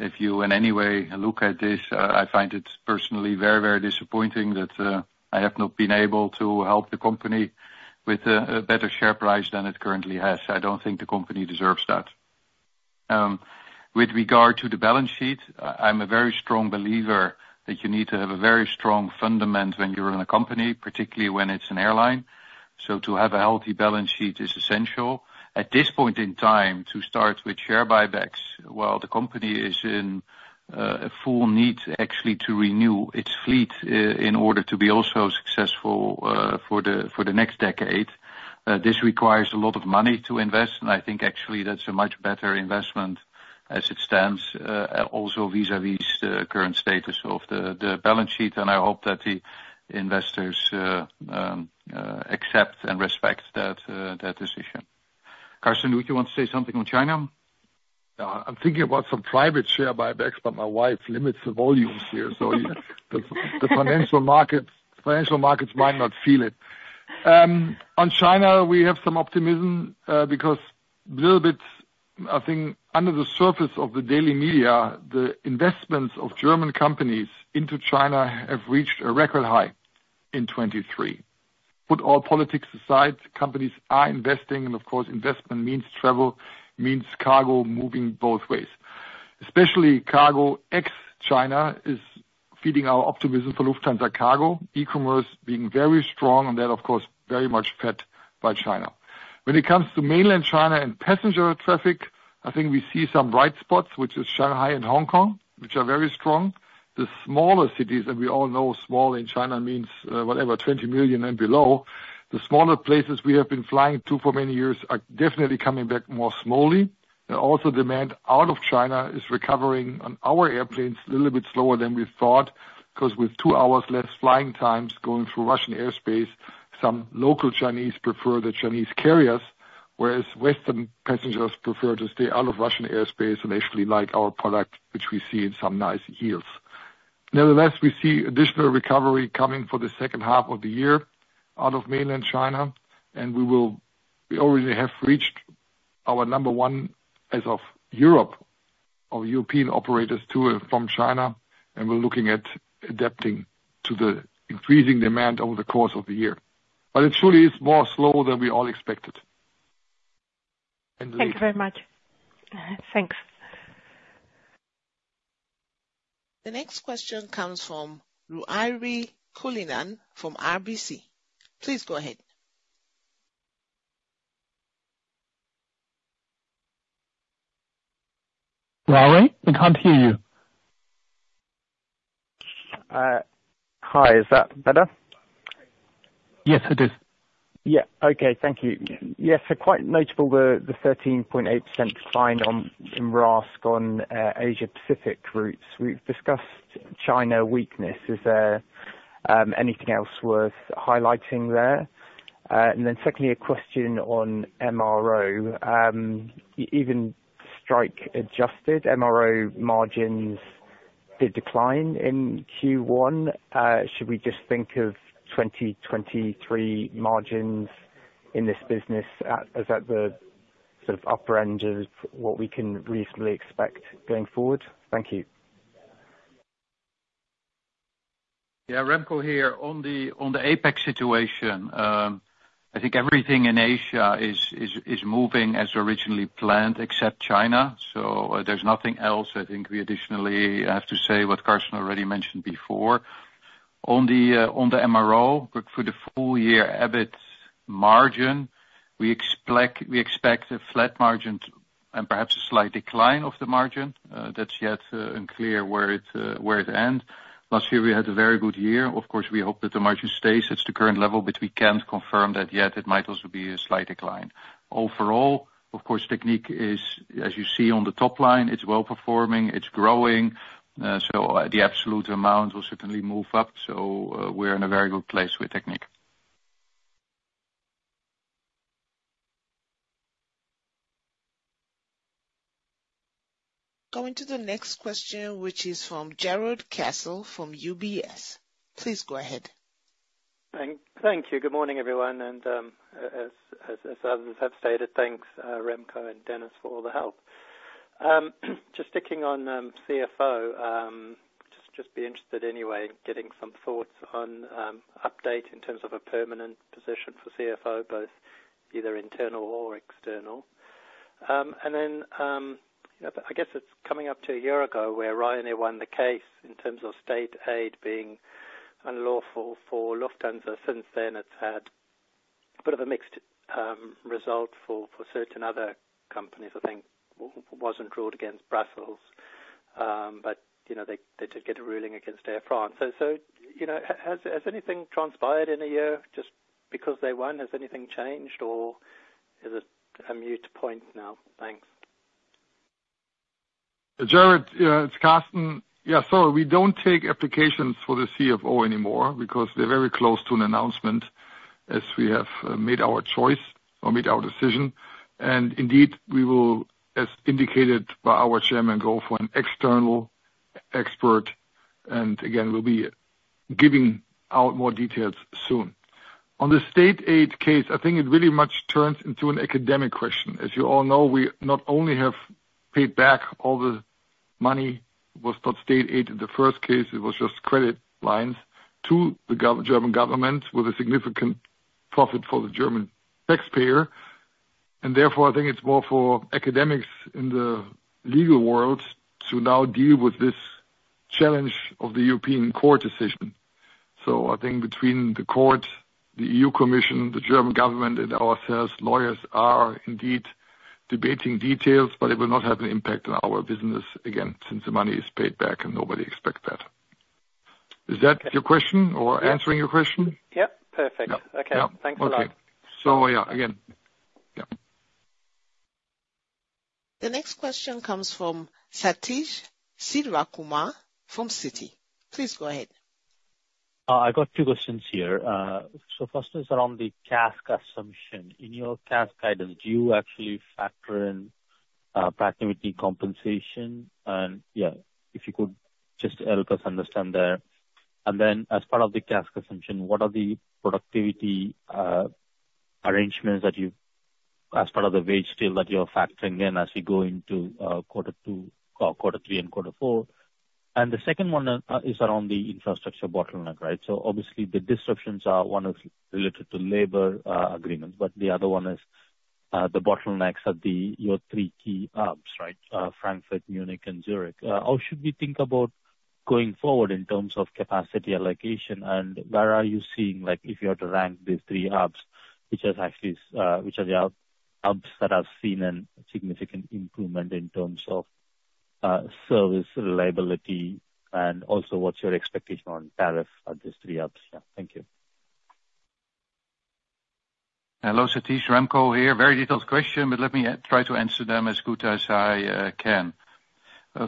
Speaker 4: if you in any way look at this, I find it personally very, very disappointing that I have not been able to help the company with a better share price than it currently has. I don't think the company deserves that. With regard to the balance sheet, I'm a very strong believer that you need to have a very strong fundament when you run a company, particularly when it's an airline, so to have a healthy balance sheet is essential. At this point in time, to start with share buybacks while the company is in a full need actually to renew its fleet, in order to be also successful for the next decade, this requires a lot of money to invest, and I think actually that's a much better investment as it stands, also vis-à-vis the current status of the balance sheet, and I hope that the investors accept and respect that decision. Carsten, would you want to say something on China?
Speaker 3: I'm thinking about some private share buybacks, but my wife limits the volumes here, so the financial markets might not feel it. On China, we have some optimism, because a little bit, I think, under the surface of the daily media, the investments of German companies into China have reached a record high in 2023. Put all politics aside, companies are investing, and of course, investment means travel, means cargo moving both ways. Especially cargo ex-China is feeding our optimism for Lufthansa Cargo, e-commerce being very strong, and that, of course, very much fed by China. When it comes to mainland China and passenger traffic, I think we see some bright spots, which is Shanghai and Hong Kong, which are very strong. The smaller cities, and we all know small in China means, whatever, 20 million and below, the smaller places we have been flying to for many years are definitely coming back more slowly. Also demand out of China is recovering on our airplanes a little bit slower than we thought, 'cause with two hours less flying times going through Russian airspace, some local Chinese prefer the Chinese carriers, whereas western passengers prefer to stay out of Russian airspace and actually like our product, which we see in some nice yields. Nevertheless, we see additional recovery coming for the H2 of the year out of mainland China, and we already have reached our number one as of Europe, or European operators to and from China, and we're looking at adapting to the increasing demand over the course of the year. It truly is more slow than we all expected.
Speaker 9: Thank you very much. Thanks.
Speaker 1: The next question comes from Ruairi Cullinane from RBC. Please go ahead.
Speaker 4: Ruairi, we can't hear you.
Speaker 10: Hi, is that better?
Speaker 4: Yes, it is.
Speaker 10: Yeah. Okay. Thank you. Yes, so quite notable the 13.8% decline in RASK on Asia Pacific routes. We've discussed China weakness, is there anything else worth highlighting there? And then secondly, a question on MRO. Even strike adjusted MRO margins did decline in Q1. Should we just think of 2023 margins in this business as at the sort of upper end of what we can reasonably expect going forward? Thank you.
Speaker 4: Yeah, Remco here. On the APAC situation, I think everything in Asia is moving as originally planned, except China. So, there's nothing else I think we additionally have to say what Carsten already mentioned before. On the MRO, look, for the full year EBIT margin, we expect a flat margin and perhaps a slight decline of the margin. That's yet unclear where it ends. Last year, we had a very good year. Of course, we hope that the margin stays at the current level, but we can't confirm that yet. It might also be a slight decline. Overall, of course, Technik is, as you see on the top line, it's well performing, it's growing, so the absolute amount will certainly move up. So, we're in a very good place with Technik.
Speaker 1: Going to the next question, which is from Jarrod Castle from UBS. Please go ahead.
Speaker 11: Thank you. Good morning, everyone, and as others have stated, thanks Remco and Dennis for all the help. Just sticking on CFO, just be interested anyway in getting some thoughts on update in terms of a permanent position for CFO, both either internal or external. And then, you know, I guess it's coming up to a year ago where Ryanair won the case in terms of state aid being unlawful for Lufthansa. Since then, it's had a bit of a mixed result for certain other companies. I think it wasn't ruled against Brussels, but you know, they did get a ruling against Air France. So, you know, has anything transpired in a year just because they won? Has anything changed, or is it a moot point now? Thanks.
Speaker 3: Jarrod, yeah, it's Carsten. Yeah, so we don't take applications for the CFO anymore, because we're very close to an announcement, as we have made our choice or made our decision. And indeed, we will, as indicated by our chairman, go for an external expert, and again, we'll be giving out more details soon. On the state aid case, I think it really much turns into an academic question. As you all know, we not only have paid back all the money, was not state aid in the first case, it was just credit lines to the German government, with a significant profit for the German taxpayer. And therefore, I think it's more for academics in the legal world to now deal with this challenge of the European court decision. I think between the court, the EU Commission, the German government, and ourselves, lawyers are indeed debating details, but it will not have an impact on our business again, since the money is paid back and nobody expects that. Is that your question or answering your question?
Speaker 11: Yep, perfect.
Speaker 3: Yeah.
Speaker 11: Okay.
Speaker 3: Yeah.
Speaker 11: Thanks a lot.
Speaker 3: Okay. So yeah, again, yeah.
Speaker 1: The next question comes from Satish Sivakumar from Citi. Please go ahead.
Speaker 12: I got two questions here. So first is around the CASK assumption. In your CASK guidance, do you actually factor in, productivity compensation? And yeah, if you could just help us understand there. And then, as part of the CASK assumption, what are the productivity, arrangements that you've, as part of the wage scale, that you're factoring in as we go into, Q2, Q3 and Q4? And the second one, is around the infrastructure bottleneck, right? So obviously, the disruptions are, one is related to labor, agreements, but the other one is, the bottlenecks at the, your three key hubs, right? Frankfurt, Munich, and Zurich. How should we think about going forward in terms of capacity allocation, and where are you seeing, like, if you had to rank the three hubs, which are actually the hubs that have seen a significant improvement in terms of service, reliability, and also what's your expectation on tariff at these three hubs? Yeah, thank you.
Speaker 4: Hello, Satish, Remco here. Very detailed question, but let me try to answer them as good as I can.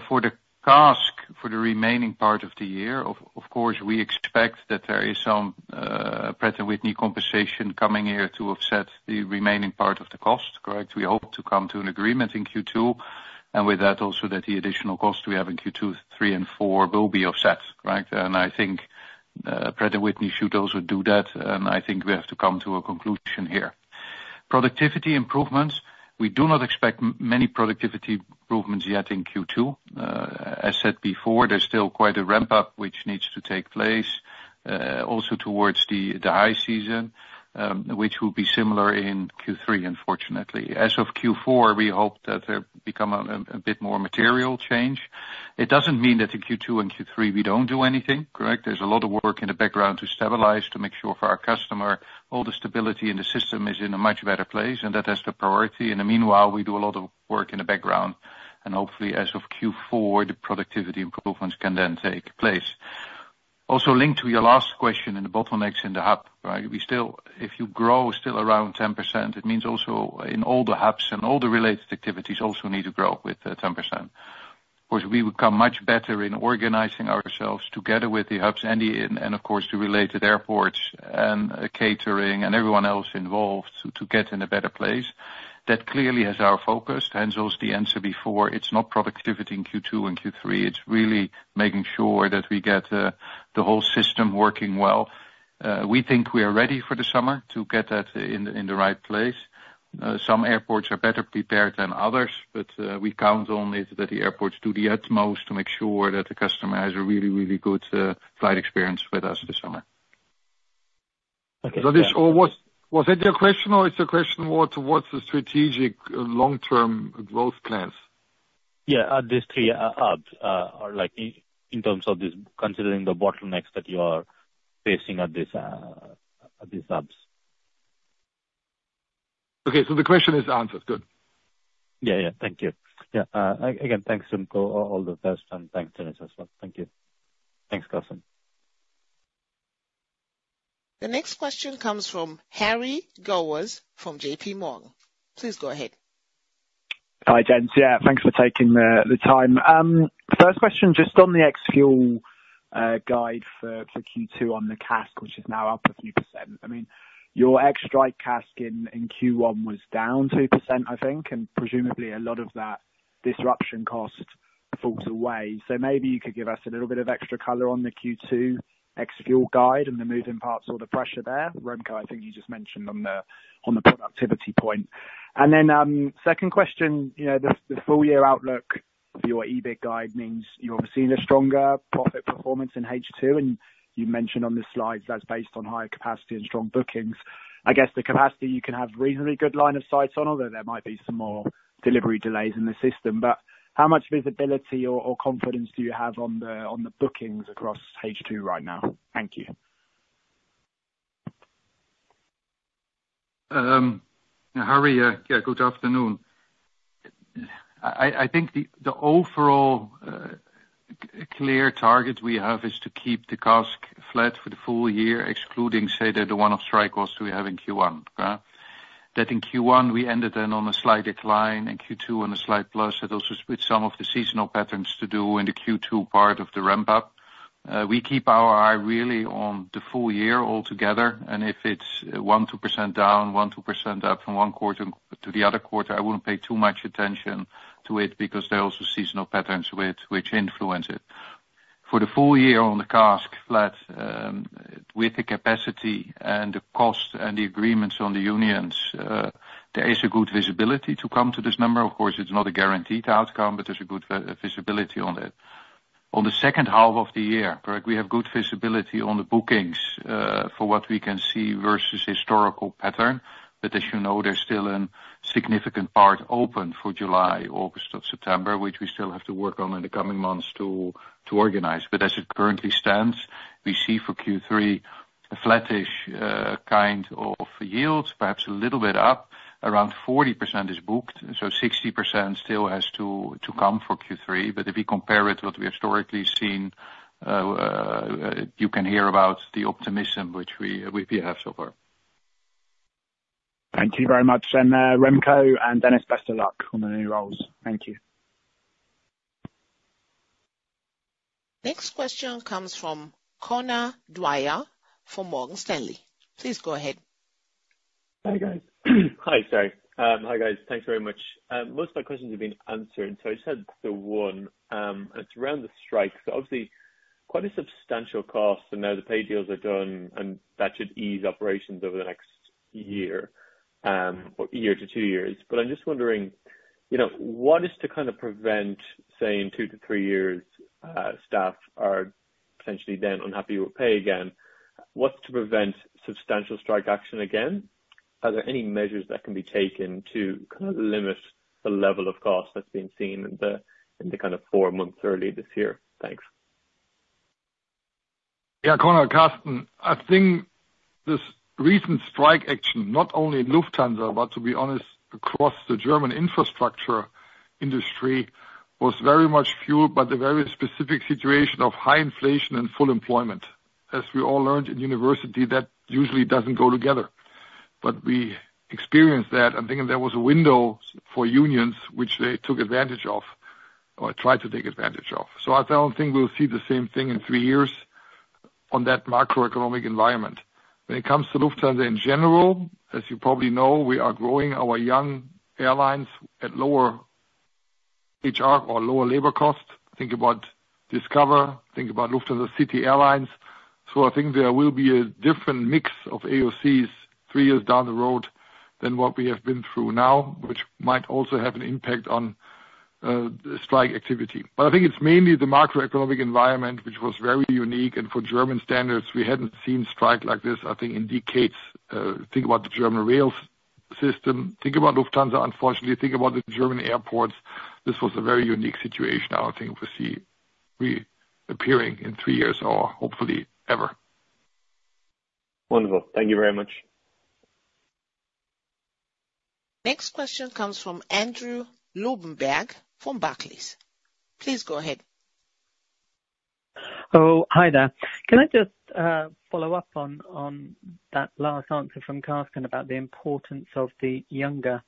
Speaker 4: For the CASK for the remaining part of the year, of course, we expect that there is some Pratt & Whitney compensation coming here to offset the remaining part of the cost, correct? We hope to come to an agreement in Q2, and with that, also that the additional costs we have in Q2, Q3 and Q4 will be offset, right? And I think Pratt & Whitney should also do that, and I think we have to come to a conclusion here. Productivity improvements, we do not expect many productivity improvements yet in Q2. As said before, there's still quite a ramp-up which needs to take place, also towards the high season, which will be similar in Q3, unfortunately. As of Q4, we hope that there become a bit more material change. It doesn't mean that in Q2 and Q3 we don't do anything, correct? There's a lot of work in the background to stabilize, to make sure for our customer, all the stability in the system is in a much better place, and that has the priority. In the meanwhile, we do a lot of work in the background, and hopefully, as of Q4, the productivity improvements can then take place. Also linked to your last question in the bottlenecks in the hub, right? We still, if you grow still around 10%, it means also in all the hubs and all the related activities also need to grow with 10%. Of course, we become much better in organizing ourselves together with the hubs and the related airports and catering and everyone else involved to get in a better place. That clearly is our focus. As per the answer before, it's not productivity in Q2 and Q3. It's really making sure that we get the whole system working well. We think we are ready for the summer to get that in the right place. Some airports are better prepared than others, but we count only that the airports do the utmost to make sure that the customer has a really, really good flight experience with us this summer.
Speaker 12: Okay.
Speaker 3: So, was that your question, or it's a question more towards the strategic long-term growth plans?
Speaker 12: Yeah, these three hubs are like in terms of this, considering the bottlenecks that you are facing at this, at these hubs.
Speaker 3: Okay, so the question is answered. Good.
Speaker 12: Yeah, yeah. Thank you. Yeah, again, thanks, Remco, all the best, and thanks, Dennis, as well. Thank you. Thanks, Carsten.
Speaker 1: The next question comes from Harry Gowers from J.P. Morgan. Please go ahead.
Speaker 13: Hi, gents. Yeah, thanks for taking the time. First question, just on the ex-fuel guide for Q2 on the CASK, which is now up a few percent. I mean, your ex strike CASK in Q1 was down 2%, I think, and presumably a lot of that disruption cost falls away. So maybe you could give us a little bit of extra color on the Q2 ex-fuel guide and the moving parts or the pressure there. Remco, I think you just mentioned on the productivity point. And then, second question, you know, the full year outlook for your EBIT guide means you're obviously in a stronger profit performance in H2, and you mentioned on the slides that's based on higher capacity and strong bookings. I guess, the capacity you can have reasonably good line of sight on, although there might be some more delivery delays in the system, but how much visibility or confidence do you have on the bookings across H2 right now? Thank you.
Speaker 4: Harry, yeah, good afternoon. I think the overall clear target we have is to keep the CASK flat for the full year, excluding, say, the one-off strike costs we have in Q1, okay? In Q1, we ended then on a slight decline, in Q2 on a slight plus, that also with some of the seasonal patterns to do in the Q2 part of the ramp up. We keep our eye really on the full year altogether, and if it's 1%-2% down, 1%-2% up from one quarter to the other quarter, I wouldn't pay too much attention to it, because there are also seasonal patterns which influence it. For the full year on the CASK flat, with the capacity and the cost and the agreements on the unions, there is a good visibility to come to this number. Of course, it's not a guaranteed outcome, but there's a good visibility on it. On the H2 of the year, correct, we have good visibility on the bookings, for what we can see versus historical pattern. But as you know, there's still a significant part open for July, August, and September, which we still have to work on in the coming months to organize. But as it currently stands, we see for Q3 a flattish, kind of yield, perhaps a little bit up. Around 40% is booked, so 60% still has to come for Q3. But if we compare it to what we have historically seen, you can hear about the optimism which we have so far.
Speaker 13: Thank you very much. And, Remco and Dennis, best of luck on the new roles. Thank you.
Speaker 1: Next question comes from Conor Dwyer, from Morgan Stanley. Please go ahead.
Speaker 14: Hi, guys. Hi, sorry. Hi, guys. Thanks very much. Most of my questions have been answered, so I just had the one, it's around the strikes. Obviously, quite a substantial cost, and now the pay deals are done, and that should ease operations over the next year, or year to two years. But I'm just wondering, you know, what is to kind of prevent, say, in two to three years, staff are potentially then unhappy with pay again? What's to prevent substantial strike action again? Are there any measures that can be taken to kind of limit the level of cost that's been seen in the kind of four months early this year? Thanks.
Speaker 3: Yeah, Conor, Carsten. I think this recent strike action, not only in Lufthansa, but to be honest, across the German infrastructure industry, was very much fueled by the very specific situation of high inflation and full employment. As we all learned in university, that usually doesn't go together. But we experienced that, I think there was a window for unions, which they took advantage of, or tried to take advantage of. So I don't think we'll see the same thing in three years on that macroeconomic environment. When it comes to Lufthansa in general, as you probably know, we are growing our young airlines at lower HR or lower labor costs. Think about Discover, think about Lufthansa City Airlines. So I think there will be a different mix of AOCs three years down the road than what we have been through now, which might also have an impact on, strike activity. But I think it's mainly the macroeconomic environment, which was very unique, and for German standards, we hadn't seen strike like this, I think, in decades. think about the German rail system, think about Lufthansa, unfortunately, think about the German airports. This was a very unique situation I don't think we see reappearing in three years, or hopefully, ever.
Speaker 14: Wonderful. Thank you very much....
Speaker 1: Next question comes from Andrew Lobbenberg from Barclays. Please go ahead.
Speaker 15: Oh, hi there. Can I just follow up on that last answer from Carsten about the importance of the younger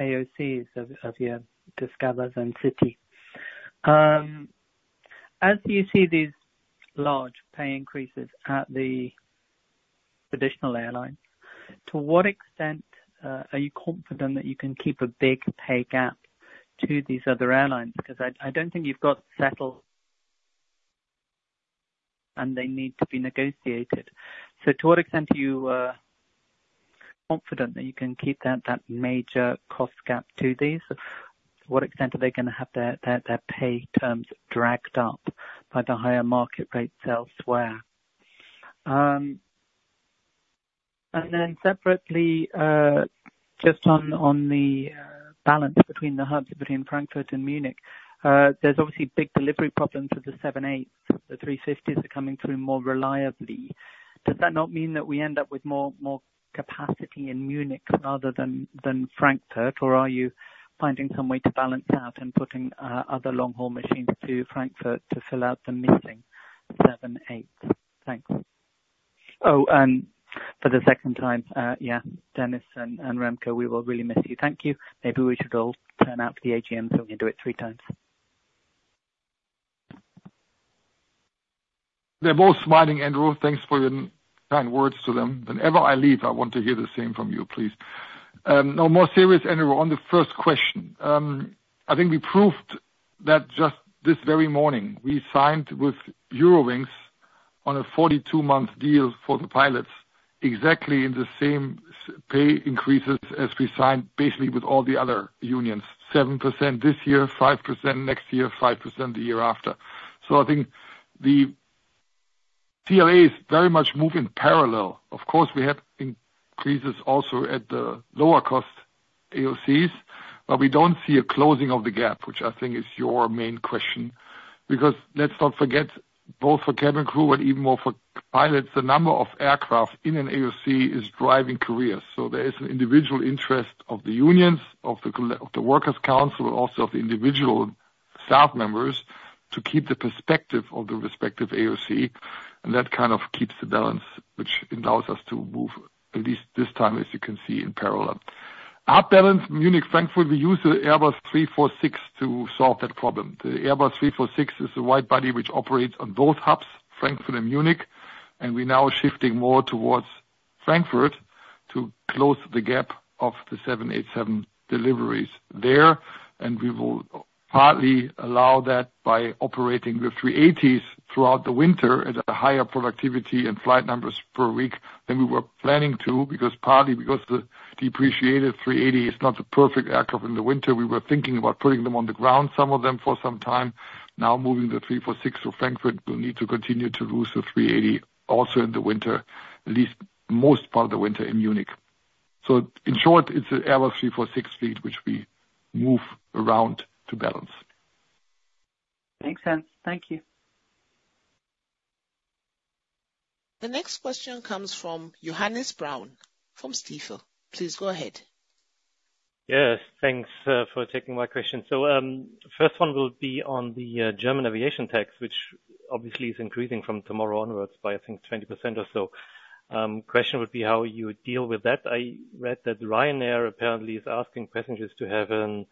Speaker 15: AOCs of your Discover and City? As you see these large pay increases at the traditional airlines, to what extent are you confident that you can keep a big pay gap to these other airlines? Because I don't think you've got settled, and they need to be negotiated. So to what extent are you confident that you can keep that major cost gap to these? To what extent are they gonna have their pay terms dragged up by the higher market rates elsewhere? And then separately, just on the balance between the hubs, between Frankfurt and Munich, there's obviously big delivery problems with the 787. The A350s are coming through more reliably. Does that not mean that we end up with more capacity in Munich rather than Frankfurt? Or are you finding some way to balance out and putting other long-haul machines to Frankfurt to fill out the missing 7, 8? Thanks. Oh, and for the second time, yeah, Dennis and Remco, we will really miss you. Thank you. Maybe we should all turn out to the AGM, so we can do it three times.
Speaker 3: They're both smiling, Andrew. Thanks for your kind words to them. Whenever I leave, I want to hear the same from you, please. No more serious, Andrew, on the first question, I think we proved that just this very morning. We signed with Eurowings on a 42-month deal for the pilots, exactly in the same pay increases as we signed, basically with all the other unions. 7% this year, 5% next year, 5% the year after. So I think the CLA is very much moving parallel. Of course, we have increases also at the lower cost AOCs, but we don't see a closing of the gap, which I think is your main question. Because let's not forget, both for cabin crew and even more for pilots, the number of aircraft in an AOC is driving careers. So there is an individual interest of the unions, of the colleagues of the workers' council, also of the individual staff members, to keep the perspective of the respective AOC, and that kind of keeps the balance, which allows us to move, at least this time, as you can see, in parallel. Our balance, Munich, Frankfurt, we use the Airbus A346 to solve that problem. The Airbus A346 is a wide body which operates on both hubs, Frankfurt and Munich, and we're now shifting more towards Frankfurt to close the gap of the 787 deliveries there. And we will partly allow that by operating the A380s throughout the winter at a higher productivity and flight numbers per week than we were planning to, because partly because the depreciated A380 is not the perfect aircraft in the winter. We were thinking about putting them on the ground, some of them, for some time. Now, moving the A346 to Frankfurt, we'll need to continue to lose the A380 also in the winter, at least most part of the winter in Munich. So in short, it's an Airbus A346 fleet, which we move around to balance.
Speaker 15: Makes sense. Thank you.
Speaker 1: The next question comes from Johannes Braun from Stifel. Please go ahead.
Speaker 16: Yes, thanks for taking my question. So, first one will be on the German aviation tax, which obviously is increasing from tomorrow onwards by, I think, 20% or so. Question would be how you deal with that. I read that Ryanair apparently is asking passengers to have to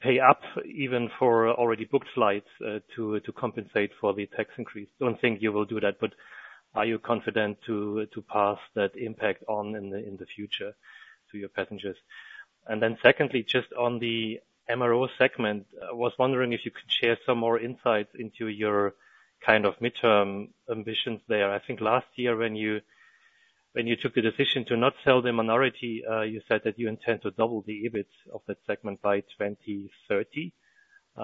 Speaker 16: pay up even for already booked flights to compensate for the tax increase. Don't think you will do that, but are you confident to pass that impact on in the future to your passengers? And then secondly, just on the MRO segment, I was wondering if you could share some more insights into your kind of midterm ambitions there. I think last year when you, when you took the decision to not sell the minority, you said that you intend to double the EBIT of that segment by 2030. So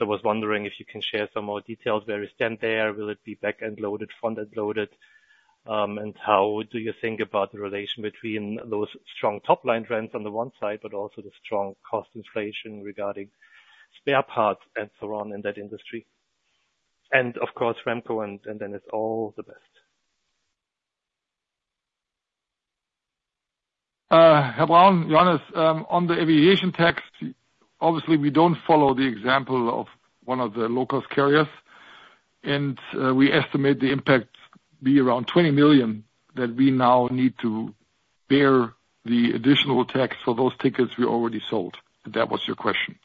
Speaker 16: I was wondering if you can share some more details, where you stand there? Will it be back-end loaded, front-end loaded, and how do you think about the relation between those strong top-line trends on the one side, but also the strong cost inflation regarding spare parts and so on in that industry? And of course, Remco and Dennis, all the best.
Speaker 3: Herr Braun, Johannes, on the aviation tax, obviously, we don't follow the example of one of the low-cost carriers, and we estimate the impact be around 20 million, that we now need to bear the additional tax for those tickets we already sold, if that was your question.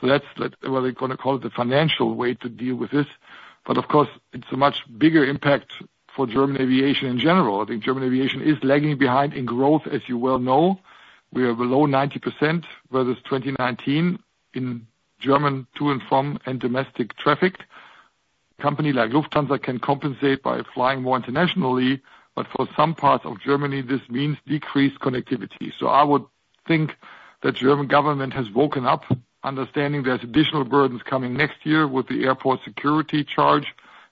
Speaker 3: So that's what I'm gonna call the financial way to deal with this. But of course, it's a much bigger impact for German aviation in general. I think German aviation is lagging behind in growth, as you well know. We are below 90% versus 2019 in German to and from and domestic traffic. Company like Lufthansa can compensate by flying more internationally, but for some parts of Germany, this means decreased connectivity. So I would think the German government has woken up, understanding there's additional burdens coming next year with the airport security charge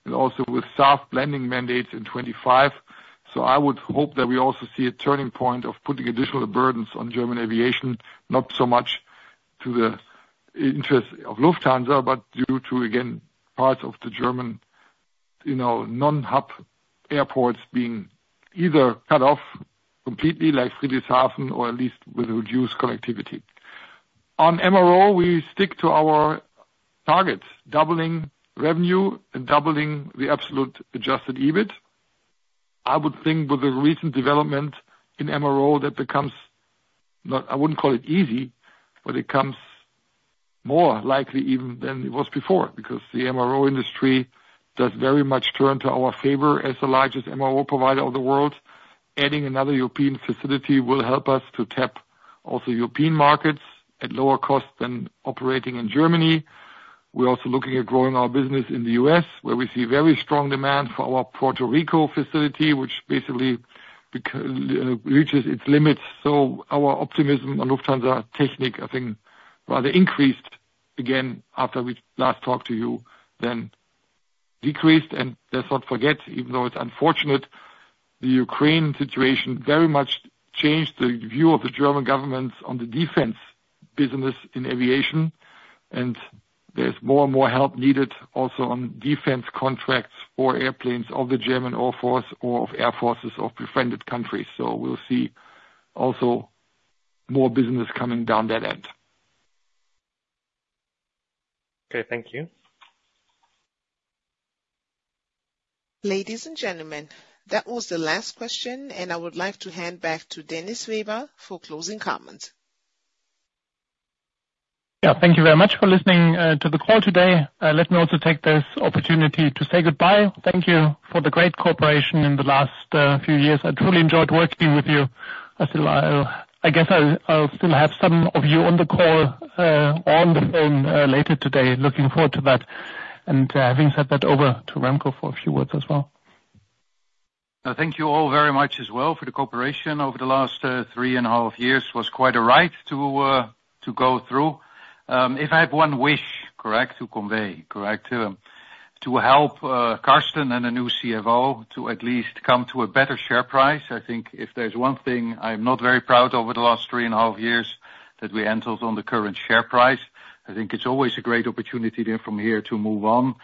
Speaker 3: and also with SAF blending mandates in 2025. So I would hope that we also see a turning point of putting additional burdens on German aviation, not so much to the interest of Lufthansa, but due to, again, parts of the German, you know, non-hub airports being either cut off completely, like Friedrichshafen, or at least with reduced connectivity. On MRO, we stick to our targets, doubling revenue and doubling the absolute adjusted EBIT. I would think with the recent development in MRO, that becomes not, I wouldn't call it easy, but it comes more likely even than it was before, because the MRO industry does very much turn to our favor as the largest MRO provider of the world. Adding another European facility will help us to tap also European markets at lower cost than operating in Germany. We're also looking at growing our business in the US, where we see very strong demand for our Puerto Rico facility, which basically reaches its limits. So our optimism on Lufthansa Technik, I think, rather increased again after we last talked to you, than decreased. And let's not forget, even though it's unfortunate, the Ukraine situation very much changed the view of the German government on the defense business in aviation, and there's more and more help needed also on defense contracts for airplanes of the German Air Force or of air forces of befriended countries. So we'll see also more business coming down that end.
Speaker 16: Okay, thank you.
Speaker 1: Ladies and gentlemen, that was the last question, and I would like to hand back to Dennis Weber for closing comments.
Speaker 2: Yeah, thank you very much for listening to the call today. Let me also take this opportunity to say goodbye. Thank you for the great cooperation in the last few years. I truly enjoyed working with you. I still, I guess I'll still have some of you on the call, on the phone, later today. Looking forward to that. Having said that, over to Remco for a few words as well.
Speaker 4: Thank you all very much as well for the cooperation over the last 3.5 years. Was quite a ride to go through. If I had one wish to convey to help Carsten and the new CFO to at least come to a better share price, I think if there's one thing I'm not very proud of over the last 3.5 years, that we ended on the current share price. I think it's always a great opportunity then from here to move on,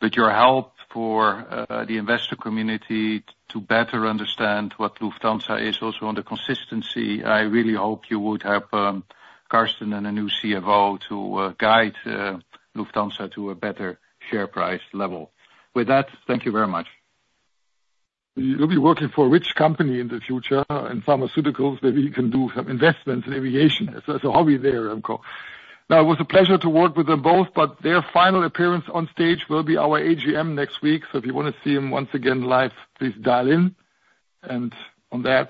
Speaker 4: but your help for the investor community to better understand what Lufthansa is, also on the consistency, I really hope you would help Carsten and the new CFO to guide Lufthansa to a better share price level. With that, thank you very much.
Speaker 3: You'll be working for a rich company in the future, in pharmaceuticals. Maybe you can do some investments in aviation. There's a hobby there, Remco. Now, it was a pleasure to work with them both, but their final appearance on stage will be our AGM next week. So if you want to see them once again live, please dial in. And on that,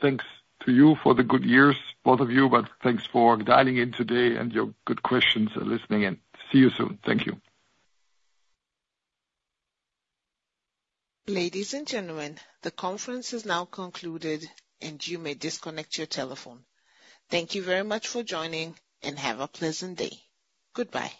Speaker 3: thanks to you for the good years, both of you, but thanks for dialing in today and your good questions and listening in. See you soon. Thank you.
Speaker 1: Ladies and gentlemen, the conference is now concluded, and you may disconnect your telephone. Thank you very much for joining, and have a pleasant day. Goodbye.